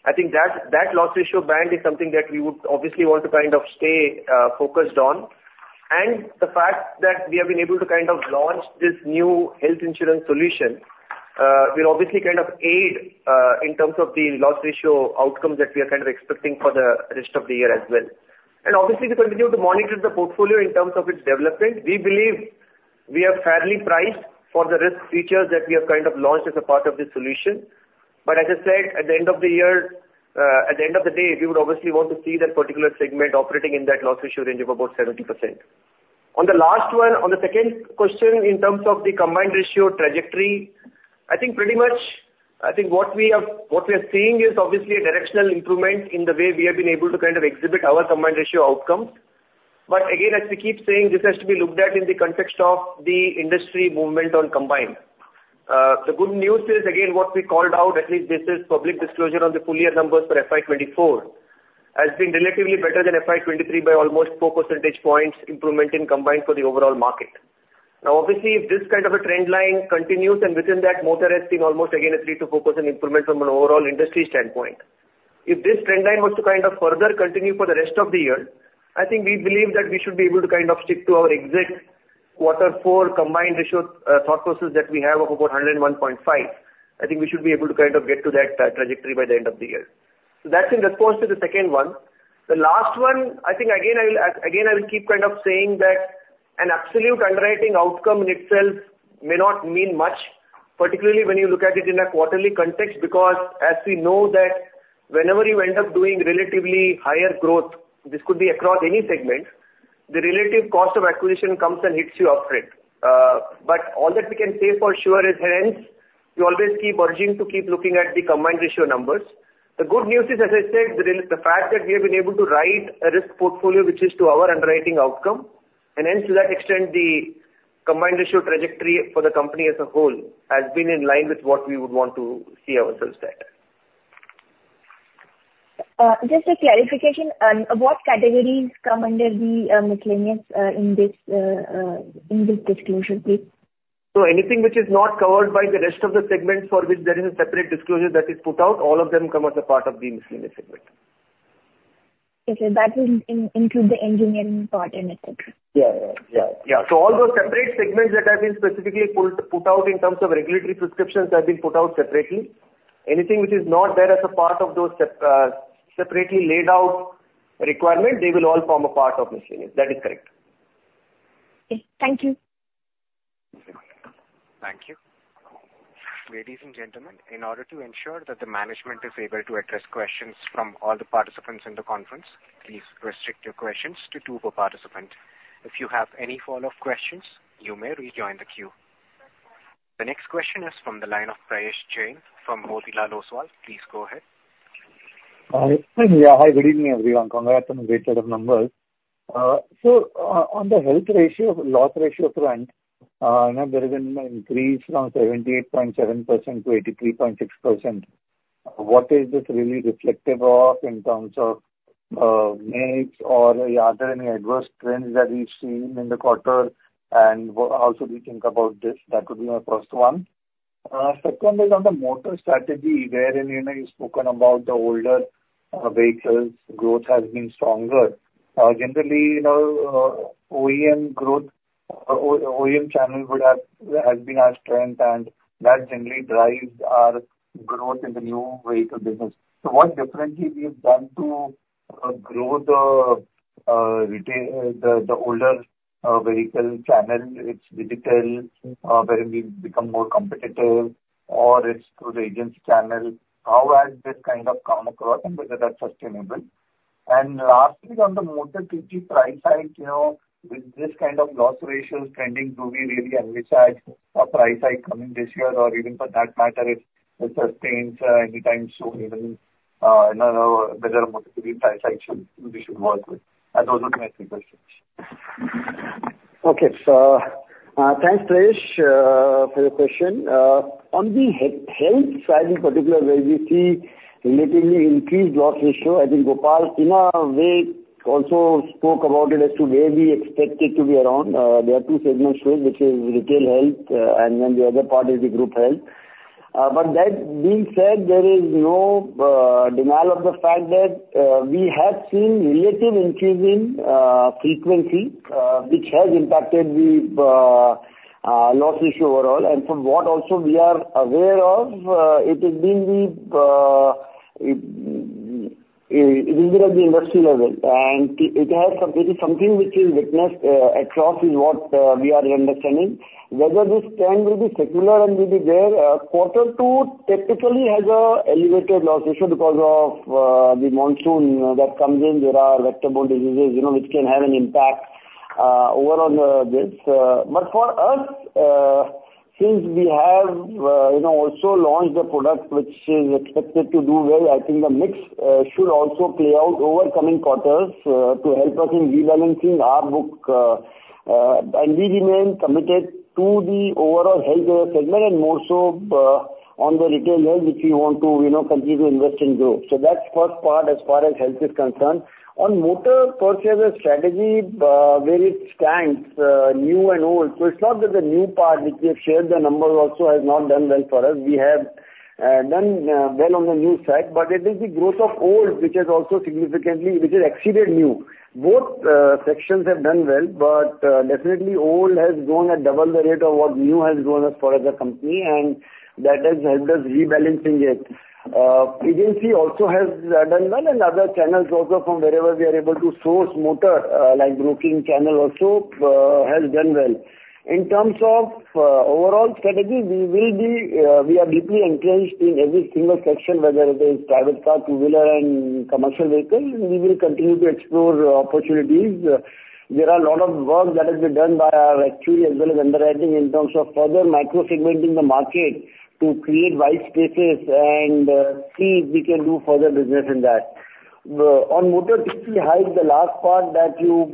I think that, that loss ratio band is something that we would obviously want to kind of stay, focused on. The fact that we have been able to kind of launch this new health insurance solution, will obviously kind of aid, in terms of the loss ratio outcomes that we are kind of expecting for the rest of the year as well. Obviously, we continue to monitor the portfolio in terms of its development. We believe we are fairly priced for the risk features that we have kind of launched as a part of this solution. But as I said, at the end of the year, at the end of the day, we would obviously want to see that particular segment operating in that loss ratio range of about 70%. On the last one, on the second question in terms of the combined ratio trajectory, I think pretty much, I think what we have, what we are seeing is obviously a directional improvement in the way we have been able to kind of exhibit our combined ratio outcomes. But again, as we keep saying, this has to be looked at in the context of the industry movement on combined. The good news is, again, what we called out, at least this is public disclosure on the full year numbers for FY 2024, has been relatively better than FY 2023 by almost 4 percentage points improvement in combined for the overall market. Now, obviously, if this kind of a trend line continues, and within that, motor has been almost again a 3%-4% improvement from an overall industry standpoint. If this trend line was to kind of further continue for the rest of the year, I think we believe that we should be able to kind of stick to our exact quarter four combined ratio, thought process that we have of about 101.5. I think we should be able to kind of get to that, trajectory by the end of the year. So that's in response to the second one. The last one, I think again, I will, again, I will keep kind of saying that an absolute underwriting outcome in itself may not mean much, particularly when you look at it in a quarterly context, because as we know that whenever you end up doing relatively higher growth, this could be across any segment, the relative cost of acquisition comes and hits you up front. But all that we can say for sure is hence, you always keep urging to keep looking at the combined ratio numbers. The good news is, as I said, the fact that we have been able to write a risk portfolio which is to our underwriting outcome, and hence, to that extent, the combined ratio trajectory for the company as a whole has been in line with what we would want to see ourselves there. Just a clarification, what categories come under the miscellaneous in this disclosure, please? Anything which is not covered by the rest of the segments for which there is a separate disclosure that is put out, all of them come as a part of the miscellaneous segment. Okay, that will include the Engineering part in it? Yeah. Yeah. Yeah. So all those separate segments that have been specifically pulled, put out in terms of regulatory prescriptions have been put out separately. Anything which is not there as a part of those separately laid out requirement, they will all form a part of miscellaneous. That is correct. Okay, thank you. Thank you. Ladies and gentlemen, in order to ensure that the management is able to address questions from all the participants in the conference, please restrict your questions to two per participant. If you have any follow-up questions, you may rejoin the queue. The next question is from the line of Prayesh Jain from Motilal Oswal. Please go ahead. Yeah. Hi, good evening, everyone. Congratulations on the numbers. So, on the health ratio, loss ratio front, you know, there has been an increase from 78.7%-83.6%. What is this really reflective of in terms of mix or are there any adverse trends that we've seen in the quarter? And how should we think about this? That would be my first one. Second one is on the motor strategy, wherein, you know, you've spoken about the older vehicles growth has been stronger. Generally, you know, OEM growth, OEM channel would have, has been our strength, and that generally drives our growth in the new vehicle business. So what differently we have done to grow the retail older vehicle channel, it's digital where we've become more competitive or it's through the agency channel, how has this kind of come across and whether that's sustainable? And lastly, on the motor TP price hike, you know, with this kind of loss ratios trending, do we really anticipate a price hike coming this year, or even for that matter, if it sustains, anytime soon, even you know, whether a motor TP price hike we should work with? Those are my three questions. Okay. So, thanks, Prayesh, for your question. On the health side in particular, where we see relatively increased loss ratio, I think Gopal, in a way, also spoke about it as to where we expect it to be around. There are two segments here, which is retail health, and then the other part is the group health. But that being said, there is no denial of the fact that we have seen relative increase in frequency, which has impacted the loss ratio overall. And from what also we are aware of, it is at the industry level, and it is something which we witnessed across is what we are understanding. Whether this trend will be secular and will be there, quarter two typically has an elevated loss ratio because of the monsoon that comes in. There are vector-borne diseases, you know, which can have an impact.... over on this, but for us, since we have, you know, also launched the product which is expected to do well, I think the mix should also play out over coming quarters, to help us in rebalancing our book, and we remain committed to the overall health of the segment and more so, on the retail health, which we want to, you know, continue to invest and grow. So that's first part as far as health is concerned. On motor business strategy, where it stands, new and old, so it's not that the new part, which we have shared the numbers also, has not done well for us. We have done well on the new side, but it is the growth of old which has also significantly - which has exceeded new. Both sections have done well, but definitely old has grown at double the rate of what new has grown as far as the company, and that has helped us rebalancing it. Agency also has done well, and other channels also, from wherever we are able to source motor, like broking channel also, has done well. In terms of overall strategy, we will be, we are deeply entrenched in every single section, whether it is private car, two-wheeler and commercial vehicles, we will continue to explore opportunities. There are a lot of work that has been done by our actuary as well as underwriting in terms of further micro segmenting the market to create white spaces and see if we can do further business in that. On motor premium hike, the last part that you,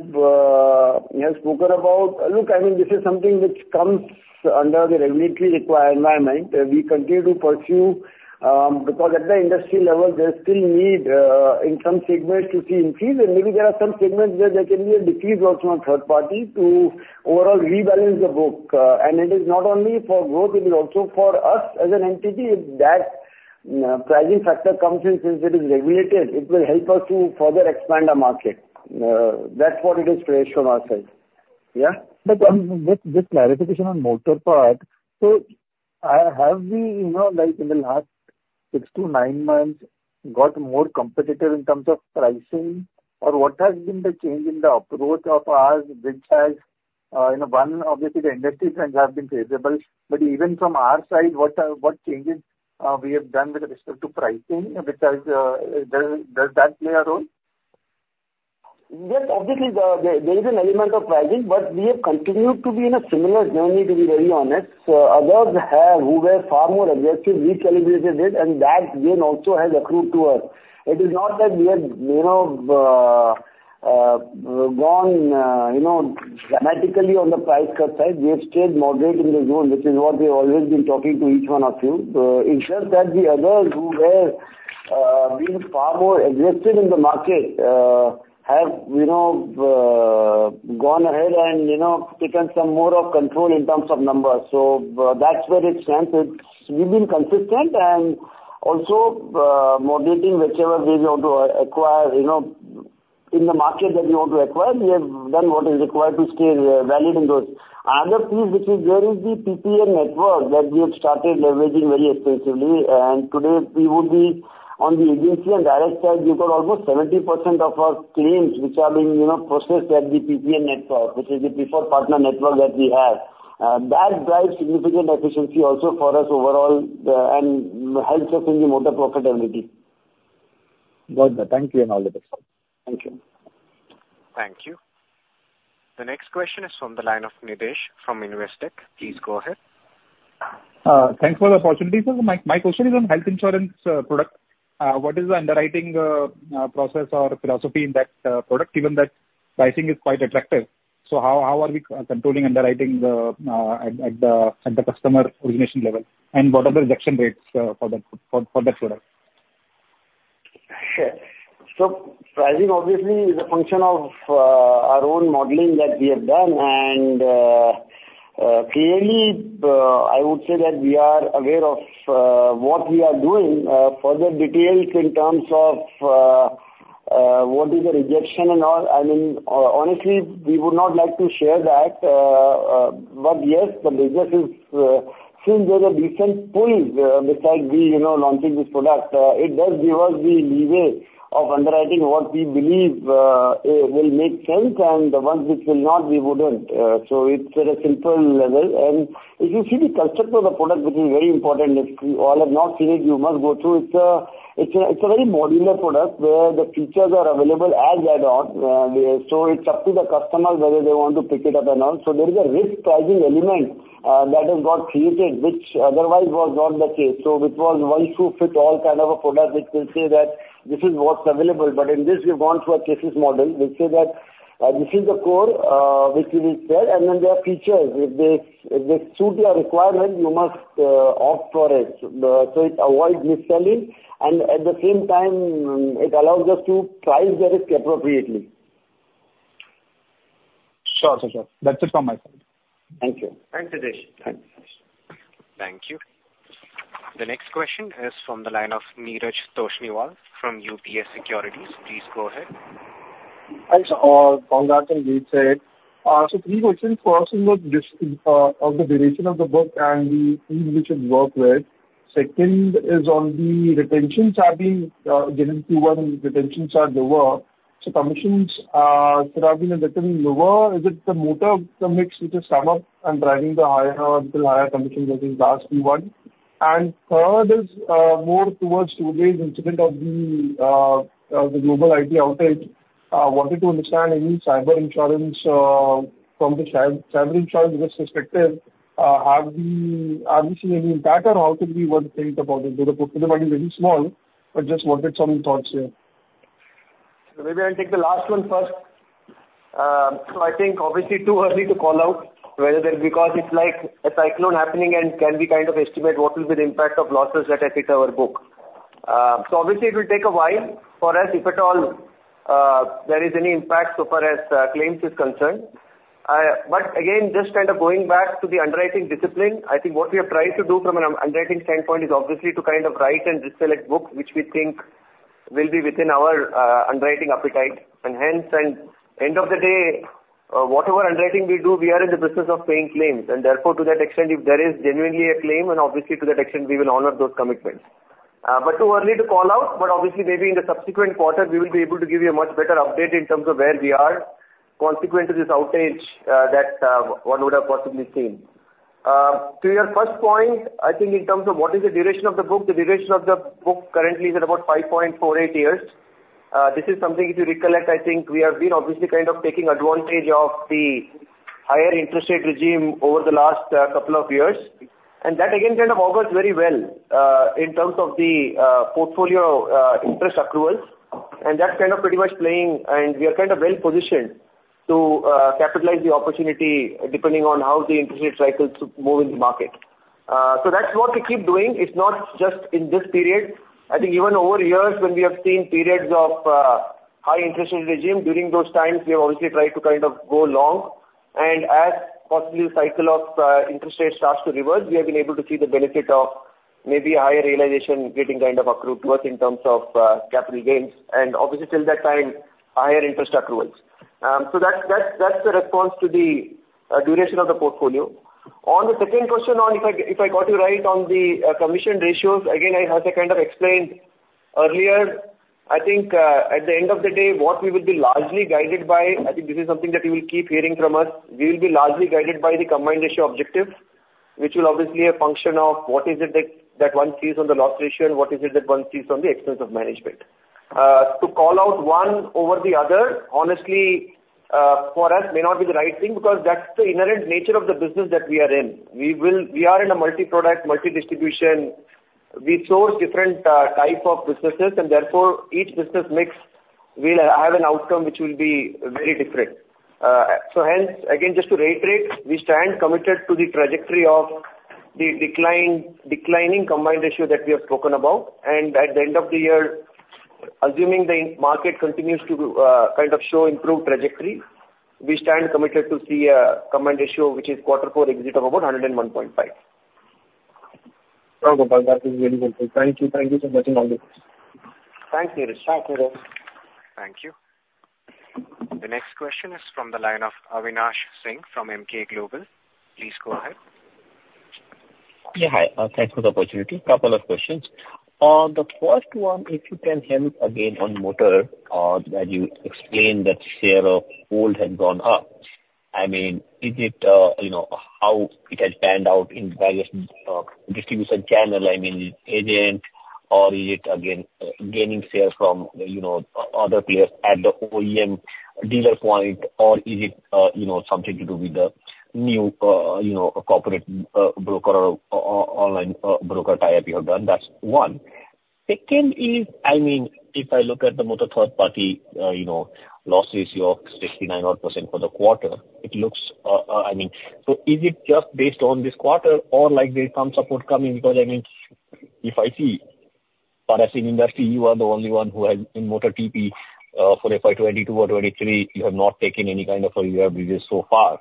you have spoken about, look, I mean, this is something which comes under the regulatory regime environment. We continue to pursue, because at the industry level, there's still need in some segments to see increase, and maybe there are some segments where there can be a decrease also on third party to overall rebalance the book. And it is not only for growth, it is also for us as an entity, if that, pricing factor comes in, since it is regulated, it will help us to further expand our market. That's what it is placed on our side. Yeah? But, just, just clarification on motor part. So, have we, you know, like in the last six to nine months, got more competitive in terms of pricing? Or what has been the change in the approach of ours which has, you know, one, obviously, the industry trends have been favorable, but even from our side, what are, what changes, we have done with respect to pricing, which has... Does, does that play a role? Yes, obviously, there is an element of pricing, but we have continued to be in a similar journey, to be very honest. So others have, who were far more aggressive, recalibrated it, and that gain also has accrued to us. It is not that we have, you know, gone, you know, dramatically on the price cut side. We have stayed moderate in the zone, which is what we have always been talking to each one of you. It's just that the others who were being far more aggressive in the market have, you know, gone ahead and, you know, taken some more of control in terms of numbers. So, that's where it stands. We've been consistent and also, moderating whichever we want to acquire, you know, in the market that we want to acquire, we have done what is required to stay valid in those. Other piece which is there is the PPN network that we have started leveraging very extensively, and today we would be on the agency and direct side, we've got almost 70% of our claims which are being, you know, processed at the PPN network, which is the Preferred Partner Network that we have. That drives significant efficiency also for us overall, and helps us in the motor profitability. Got that. Thank you, and all the best. Thank you. Thank you. The next question is from the line of Nidhesh from Investec. Please go ahead. Thanks for the opportunity, sir. My question is on health insurance product. What is the underwriting process or philosophy in that product, given that pricing is quite attractive? So how are we controlling underwriting at the customer origination level, and what are the rejection rates for that product? Sure. So pricing obviously is a function of our own modeling that we have done, and clearly, I would say that we are aware of what we are doing. Further details in terms of what is the rejection and all, I mean, honestly, we would not like to share that. But yes, the business has seen very recent pulls, besides we, you know, launching this product. It does give us the leeway of underwriting what we believe will make sense, and the ones which will not, we wouldn't. So it's at a simple level. And if you see the construct of the product, which is very important, if you all have not seen it, you must go through. It's a very modular product, where the features are available as add-on, so it's up to the customer whether they want to pick it up or not. So there is a risk pricing element, that has got created, which otherwise was not the case. So which was one-shoe-fit-all kind of a product, which will say that this is what's available. But in this, we've gone through a cases model, which say that, this is the core, which will be there, and then there are features. If they, if they suit your requirement, you must, opt for it. So it avoids misselling, and at the same time, it allows us to price the risk appropriately. Sure, sure, sure. That's it from my side. Thank you. Thanks, Nidhesh. Thank you. The next question is from the line of Neeraj Toshniwal from UBS Securities. Please go ahead. Thanks, congrats on the results. So three questions. First, in the of the duration of the book and the team we should work with. Second is on the retentions are being given Q1, and retentions are lower, so commissions are could have been a little lower. Is it the motor mix which has come up and driving the higher the higher commissions as in last Q1? And third is more towards today's incident of the the global IT outage. Wanted to understand any cyber insurance from the cyber insurance perspective, have we, have you seen any impact or how could we go about it? Though the portfolio is very small, but just wanted some thoughts here. Maybe I'll take the last one first. So I think obviously too early to call out whether there, because it's like a cyclone happening, and can we kind of estimate what will be the impact of losses that have hit our book? So obviously it will take a while for us, if at all, there is any impact so far as claims is concerned. But again, just kind of going back to the underwriting discipline, I think what we have tried to do from an underwriting standpoint is obviously to kind of write and select books, which we think will be within our underwriting appetite. And hence, at the end of the day, whatever underwriting we do, we are in the business of paying claims, and therefore, to that extent, if there is genuinely a claim, then obviously to that extent we will honor those commitments. But too early to call out, but obviously maybe in the subsequent quarter, we will be able to give you a much better update in terms of where we are consequent to this outage, that one would have possibly seen. To your first point, I think in terms of what is the duration of the book, the duration of the book currently is at about 5.48 years. This is something, if you recollect, I think we have been obviously kind of taking advantage of the higher interest rate regime over the last couple of years. And that, again, kind of augurs very well in terms of the portfolio, interest accruals, and that's kind of pretty much playing, and we are kind of well positioned to capitalize the opportunity depending on how the interest rate cycles move in the market. So that's what we keep doing. It's not just in this period. I think even over years when we have seen periods of high interest rate regime, during those times, we have obviously tried to kind of go long. And as possibly the cycle of interest rates starts to reverse, we have been able to see the benefit of maybe higher realization getting kind of accrued to us in terms of capital gains and obviously till that time, higher interest accruals. So that's the response to the duration of the portfolio. On the second question on, if I, if I got you right on the, commission ratios, again, I, as I kind of explained earlier, I think, at the end of the day, what we will be largely guided by, I think this is something that you will keep hearing from us. We will be largely guided by the Combined Ratio objectives, which will obviously a function of what is it that, that one sees on the Loss Ratio and what is it that one sees on the expense of management. To call out one over the other, honestly, for us may not be the right thing because that's the inherent nature of the business that we are in. We will-- We are in a multi-product, multi-distribution. We source different type of businesses and therefore, each business mix will have an outcome which will be very different. Hence, again, just to reiterate, we stand committed to the trajectory of the decline, declining combined ratio that we have spoken about. At the end of the year, assuming the market continues to kind of show improved trajectory, we stand committed to see a combined ratio, which is quarter four exit of about 101.5. Okay, Gopal. That is really good. Thank you. Thank you so much for your time. Thank you, Trish. Thank you. Thank you. The next question is from the line of Avinash Singh from Emkay Global. Please go ahead. Yeah, hi, thanks for the opportunity. Couple of questions. The first one, if you can help again on motor, that you explained that share of old had gone up. I mean, is it, you know, how it has panned out in various distribution channel, I mean, agent, or is it again, gaining shares from, you know, other players at the OEM dealer point, or is it, you know, something to do with the new, you know, corporate broker or online broker tie-up you have done? That's one. Second is, I mean, if I look at the motor third party, you know, loss ratio of 69-odd% for the quarter, it looks, I mean... So is it just based on this quarter or like there's some support coming? Because, I mean, if I see, for as an industry, you are the only one who has in motor TP, for FY 2022 or 2023, you have not taken any kind of a reserve so far.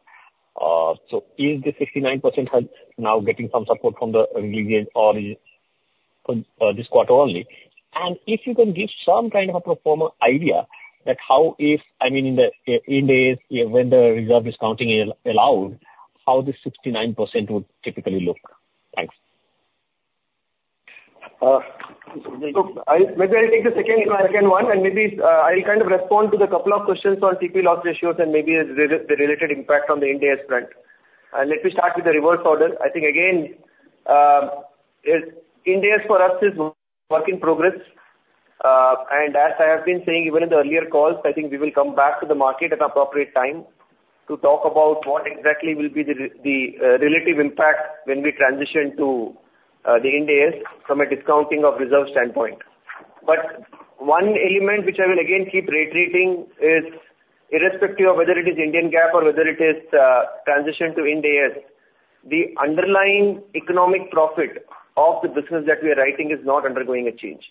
So is the 69% has now getting some support from the regulation or is it, this quarter only? And if you can give some kind of a pro forma idea that how if, I mean, in the, Ind AS, when the reserve is discounting is allowed, how this 69% would typically look? Thanks. So I, maybe I'll take the second, second one, and maybe, I'll kind of respond to the couple of questions on TP loss ratios and maybe the the related impact on the Ind AS front. Let me start with the reverse order. I think again, Ind AS for us is work in progress. And as I have been saying even in the earlier calls, I think we will come back to the market at an appropriate time to talk about what exactly will be the the relative impact when we transition to, the Ind AS from a discounting of reserve standpoint. But one element which I will again keep reiterating is irrespective of whether it is Indian GAAP or whether it is, transition to Ind AS, the underlying economic profit of the business that we are writing is not undergoing a change.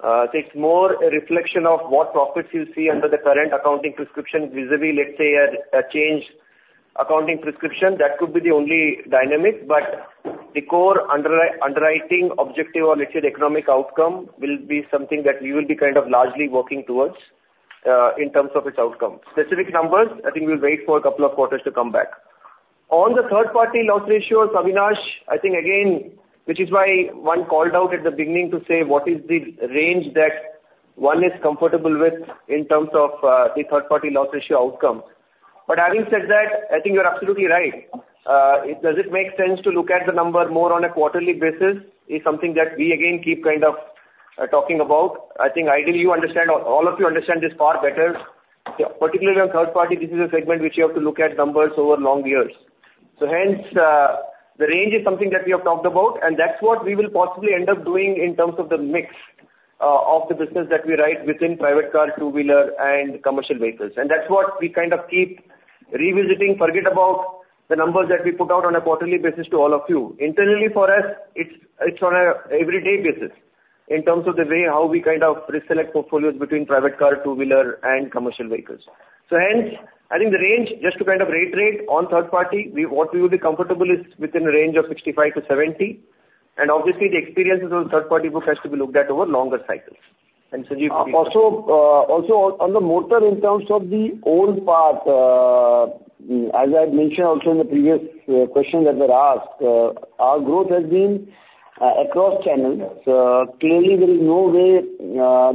So it's more a reflection of what profits you see under the current accounting prescription vis-a-vis, let's say, a changed accounting prescription. That could be the only dynamic, but the core underwriting objective or, let's say, the economic outcome, will be something that we will be kind of largely working towards, in terms of its outcome. Specific numbers, I think we'll wait for a couple of quarters to come back. On the third party loss ratio, Avinash, I think again, which is why one called out at the beginning to say what is the range that one is comfortable with in terms of the third party loss ratio outcome? But having said that, I think you're absolutely right. Does it make sense to look at the number more on a quarterly basis, is something that we again keep kind of talking about. I think ideally you understand or all of you understand this far better. Yeah, particularly on third party, this is a segment which you have to look at numbers over long years. So hence, the range is something that we have talked about, and that's what we will possibly end up doing in terms of the mix of the business that we write within private car, two-wheeler, and commercial vehicles. That's what we kind of keep revisiting. Forget about the numbers that we put out on a quarterly basis to all of you. Internally, for us, it's on every day basis in terms of the way how we kind of reselect portfolios between private car, two-wheeler, and commercial vehicles. So hence, I think the range, just to kind of reiterate on third party, what we would be comfortable is within a range of 65-70. And obviously, the experiences on third party book has to be looked at over longer cycles. And Sanjeev, please. Also on the motor, in terms of the own part, as I mentioned also in the previous question that were asked, our growth has been across channels. Clearly there is no way,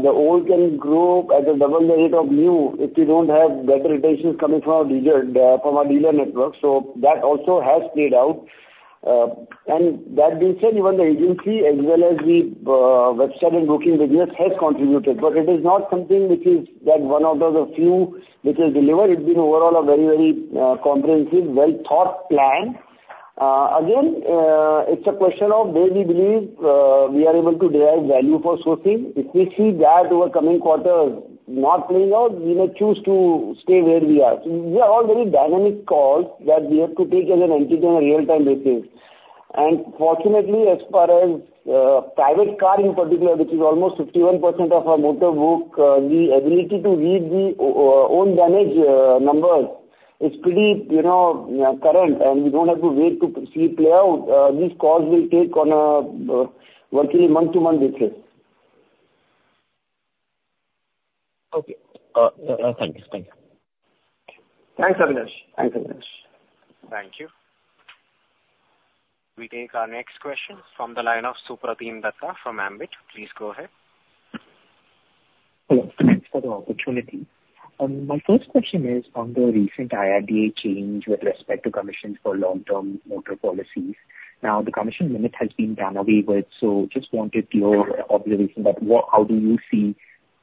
the old can grow at a double the rate of new if we don't have better rotations coming from our dealer, from our dealer network, so that also has played out. And that being said, even the agency as well as the website and broking business has contributed, but it is not something which is that one of those a few which is delivered. It's been overall a very, very comprehensive, well-thought plan. Again, it's a question of where we believe we are able to derive value for sourcing. If we see that over coming quarters not playing out, we may choose to stay where we are. These are all very dynamic calls that we have to take as an entity on a real-time basis. Fortunately, as far as private car in particular, which is almost 51% of our motor book, the ability to read the own damage numbers is pretty, you know, current, and we don't have to wait to see play out. These calls will take on a virtually month-to-month basis. Okay. Thank you, thank you. Thanks, Avinash. Thanks, Avinash. Thank you. We take our next question from the line of Supratim Datta from Ambit. Please go ahead. Hello, thanks for the opportunity. My first question is on the recent IRDA change with respect to commissions for long-term motor policies. Now, the commission limit has been done away with, so just wanted your observation about how do you see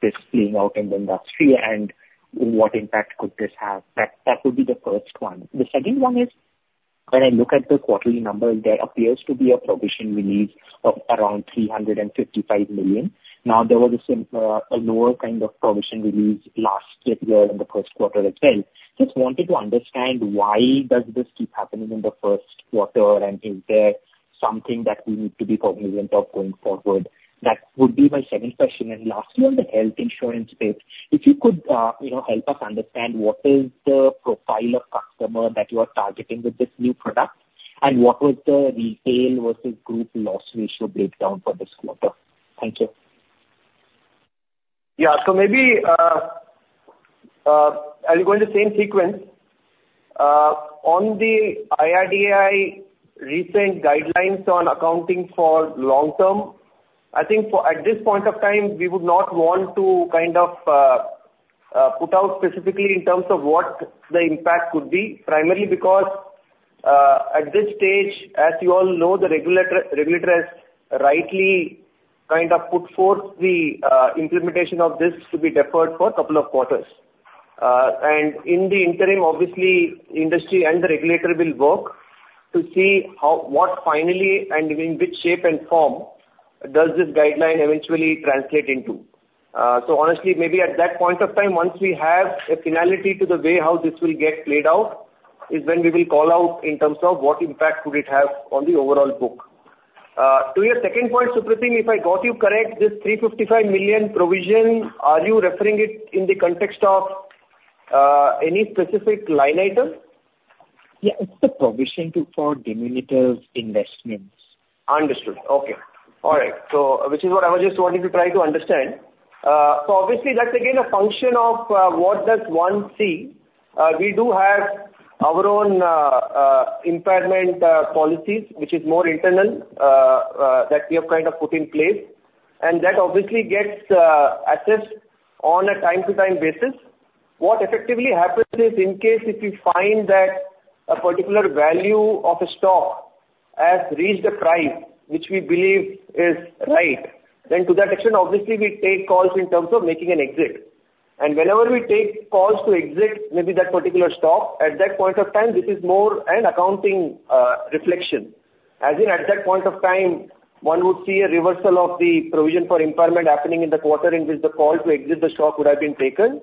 this playing out in the industry, and what impact could this have? That would be the first one. The second one is, when I look at the quarterly numbers, there appears to be a provision release of around 355 million. Now, there was a similar lower kind of provision release last year in the first quarter as well. Just wanted to understand, why does this keep happening in the first quarter, and is there something that we need to be cognizant of going forward? That would be my second question. Lastly, on the health insurance bit, if you could, you know, help us understand what is the profile of customer that you are targeting with this new product, and what was the retail versus group loss ratio breakdown for this quarter? Thank you. Yeah. So maybe, I'll go in the same sequence. On the IRDAI recent guidelines on accounting for long term, I think for, at this point of time, we would not want to kind of, put out specifically in terms of what the impact could be. Primarily because, at this stage, as you all know, the regulator has rightly kind of put forth the, implementation of this to be deferred for a couple of quarters. And in the interim, obviously, industry and the regulator will work to see how, what finally and in which shape and form does this guideline eventually translate into. So honestly, maybe at that point of time, once we have a finality to the way how this will get played out, is when we will call out in terms of what impact could it have on the overall book. To your second point, Supratim, if I got you correct, this 355 million provision, are you referring it in the context of any specific line item? Yeah, it's the provision for diminution investments. Understood. Okay. All right. So which is what I was just wanting to try to understand. So obviously, that's again, a function of, what does one see? We do have our own, impairment, policies, which is more internal, that we have kind of put in place, and that obviously gets, assessed on a time-to-time basis. What effectively happens is, in case if we find that a particular value of a stock has reached a price which we believe is right, then to that extent, obviously we take calls in terms of making an exit. And whenever we take calls to exit, maybe that particular stock, at that point of time, this is more an accounting, reflection. As in, at that point of time, one would see a reversal of the provision for impairment happening in the quarter in which the call to exit the stock would have been taken.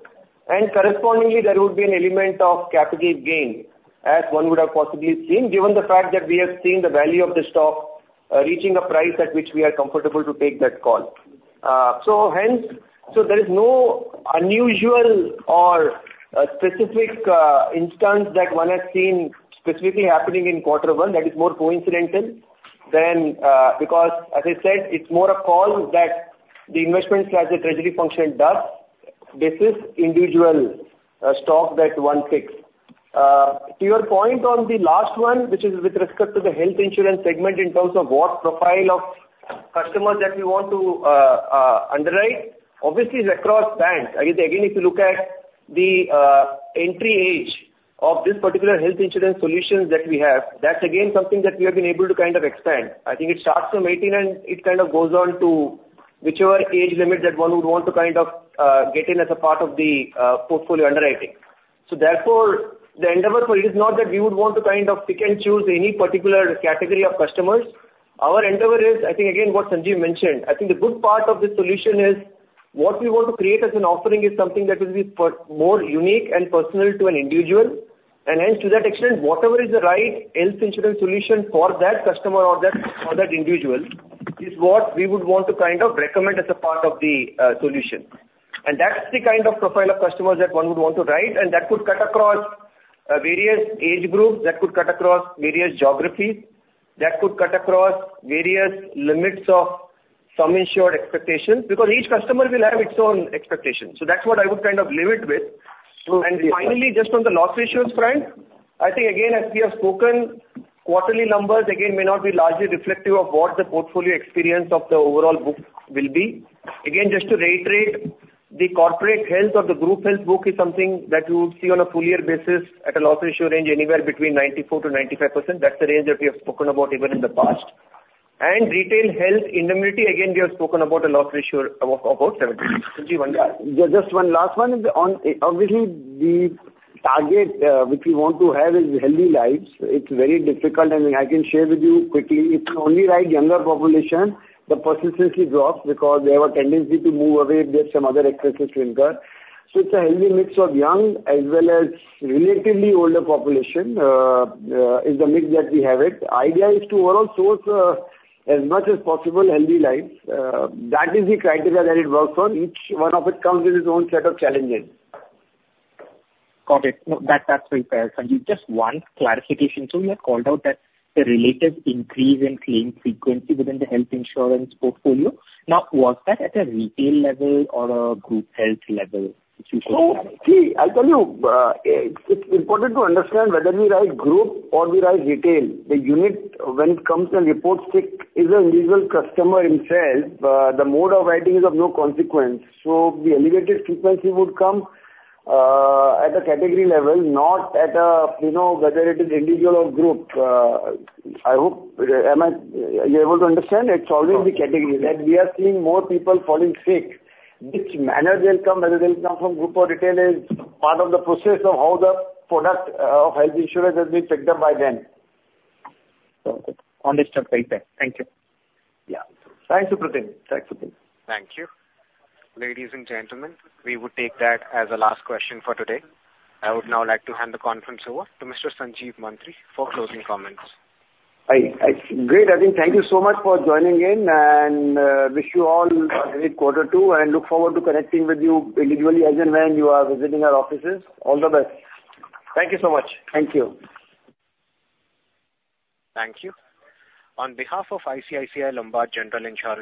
And correspondingly, there would be an element of capital gain, as one would have possibly seen, given the fact that we have seen the value of the stock reaching a price at which we are comfortable to take that call. So hence, so there is no unusual or specific instance that one has seen specifically happening in quarter one. That is more coincidental than because as I said, it's more a call that the investments as a treasury function does; this is individual stock that one picks. To your point on the last one, which is with respect to the health insurance segment, in terms of what profile of customers that we want to underwrite, obviously it's across plans. Again, if you look at the entry age of this particular health insurance solutions that we have, that's again, something that we have been able to kind of expand. I think it starts from 18, and it kind of goes on to whichever age limit that one would want to kind of get in as a part of the portfolio underwriting. So therefore, the endeavor for it is not that we would want to kind of pick and choose any particular category of customers. Our endeavor is, I think, again, what Sanjeev mentioned. I think the good part of this solution is what we want to create as an offering is something that will be more unique and personal to an individual, and then to that extent, whatever is the right health insurance solution for that customer or that individual, is what we would want to kind of recommend as a part of the solution. And that's the kind of profile of customers that one would want to write, and that could cut across various age groups, that could cut across various geographies, that could cut across various limits of sum insured expectations, because each customer will have its own expectations. So that's what I would kind of leave it with. Finally, just on the loss ratios front, I think again, as we have spoken, quarterly numbers again may not be largely reflective of what the portfolio experience of the overall book will be. Again, just to reiterate, the corporate health or the group health book is something that you would see on a full year basis at a loss ratio range, anywhere between 94%-95%. That's the range that we have spoken about even in the past. Retail health indemnity, again, we have spoken about a loss ratio of about 70%. Sanjeev? Yeah, just one last one. On, obviously, the target, which we want to have is healthy lives. It's very difficult, and I can share with you quickly. If you only write younger population, the persistency drops because they have a tendency to move away if there's some other expenses to incur. So it's a healthy mix of young as well as relatively older population, is the mix that we have it. The idea is to overall source, as much as possible, healthy lives. That is the criteria that it works on. Each one of it comes with its own set of challenges. Got it. No, that, that's very fair, Sanjeev. Just one clarification. So you have called out that the relative increase in claim frequency within the health insurance portfolio, now, was that at a retail level or a group health level, if you could clarify? So, see, I'll tell you, it's, it's important to understand whether we write group or we write retail. The unit, when it comes and reports sick, is an individual customer himself, the mode of writing is of no consequence. So the elevated frequency would come, at a category level, not at a, you know, whether it is individual or group. I hope. Am I, are you able to understand? It's always in the category that we are seeing more people falling sick. Which manner they'll come, whether they'll come from group or retail, is part of the process of how the product, of health insurance has been picked up by them. Perfect. Understood, very clear. Thank you. Yeah. Thanks, Supratim. Thanks, Supratim. Thank you. Ladies and gentlemen, we would take that as the last question for today. I would now like to hand the conference over to Mr. Sanjeev Mantri for closing comments. Great. I think, thank you so much for joining in, and wish you all a great quarter two, and look forward to connecting with you individually, as and when you are visiting our offices. All the best. Thank you so much. Thank you. Thank you. On behalf of ICICI Lombard General Insurance-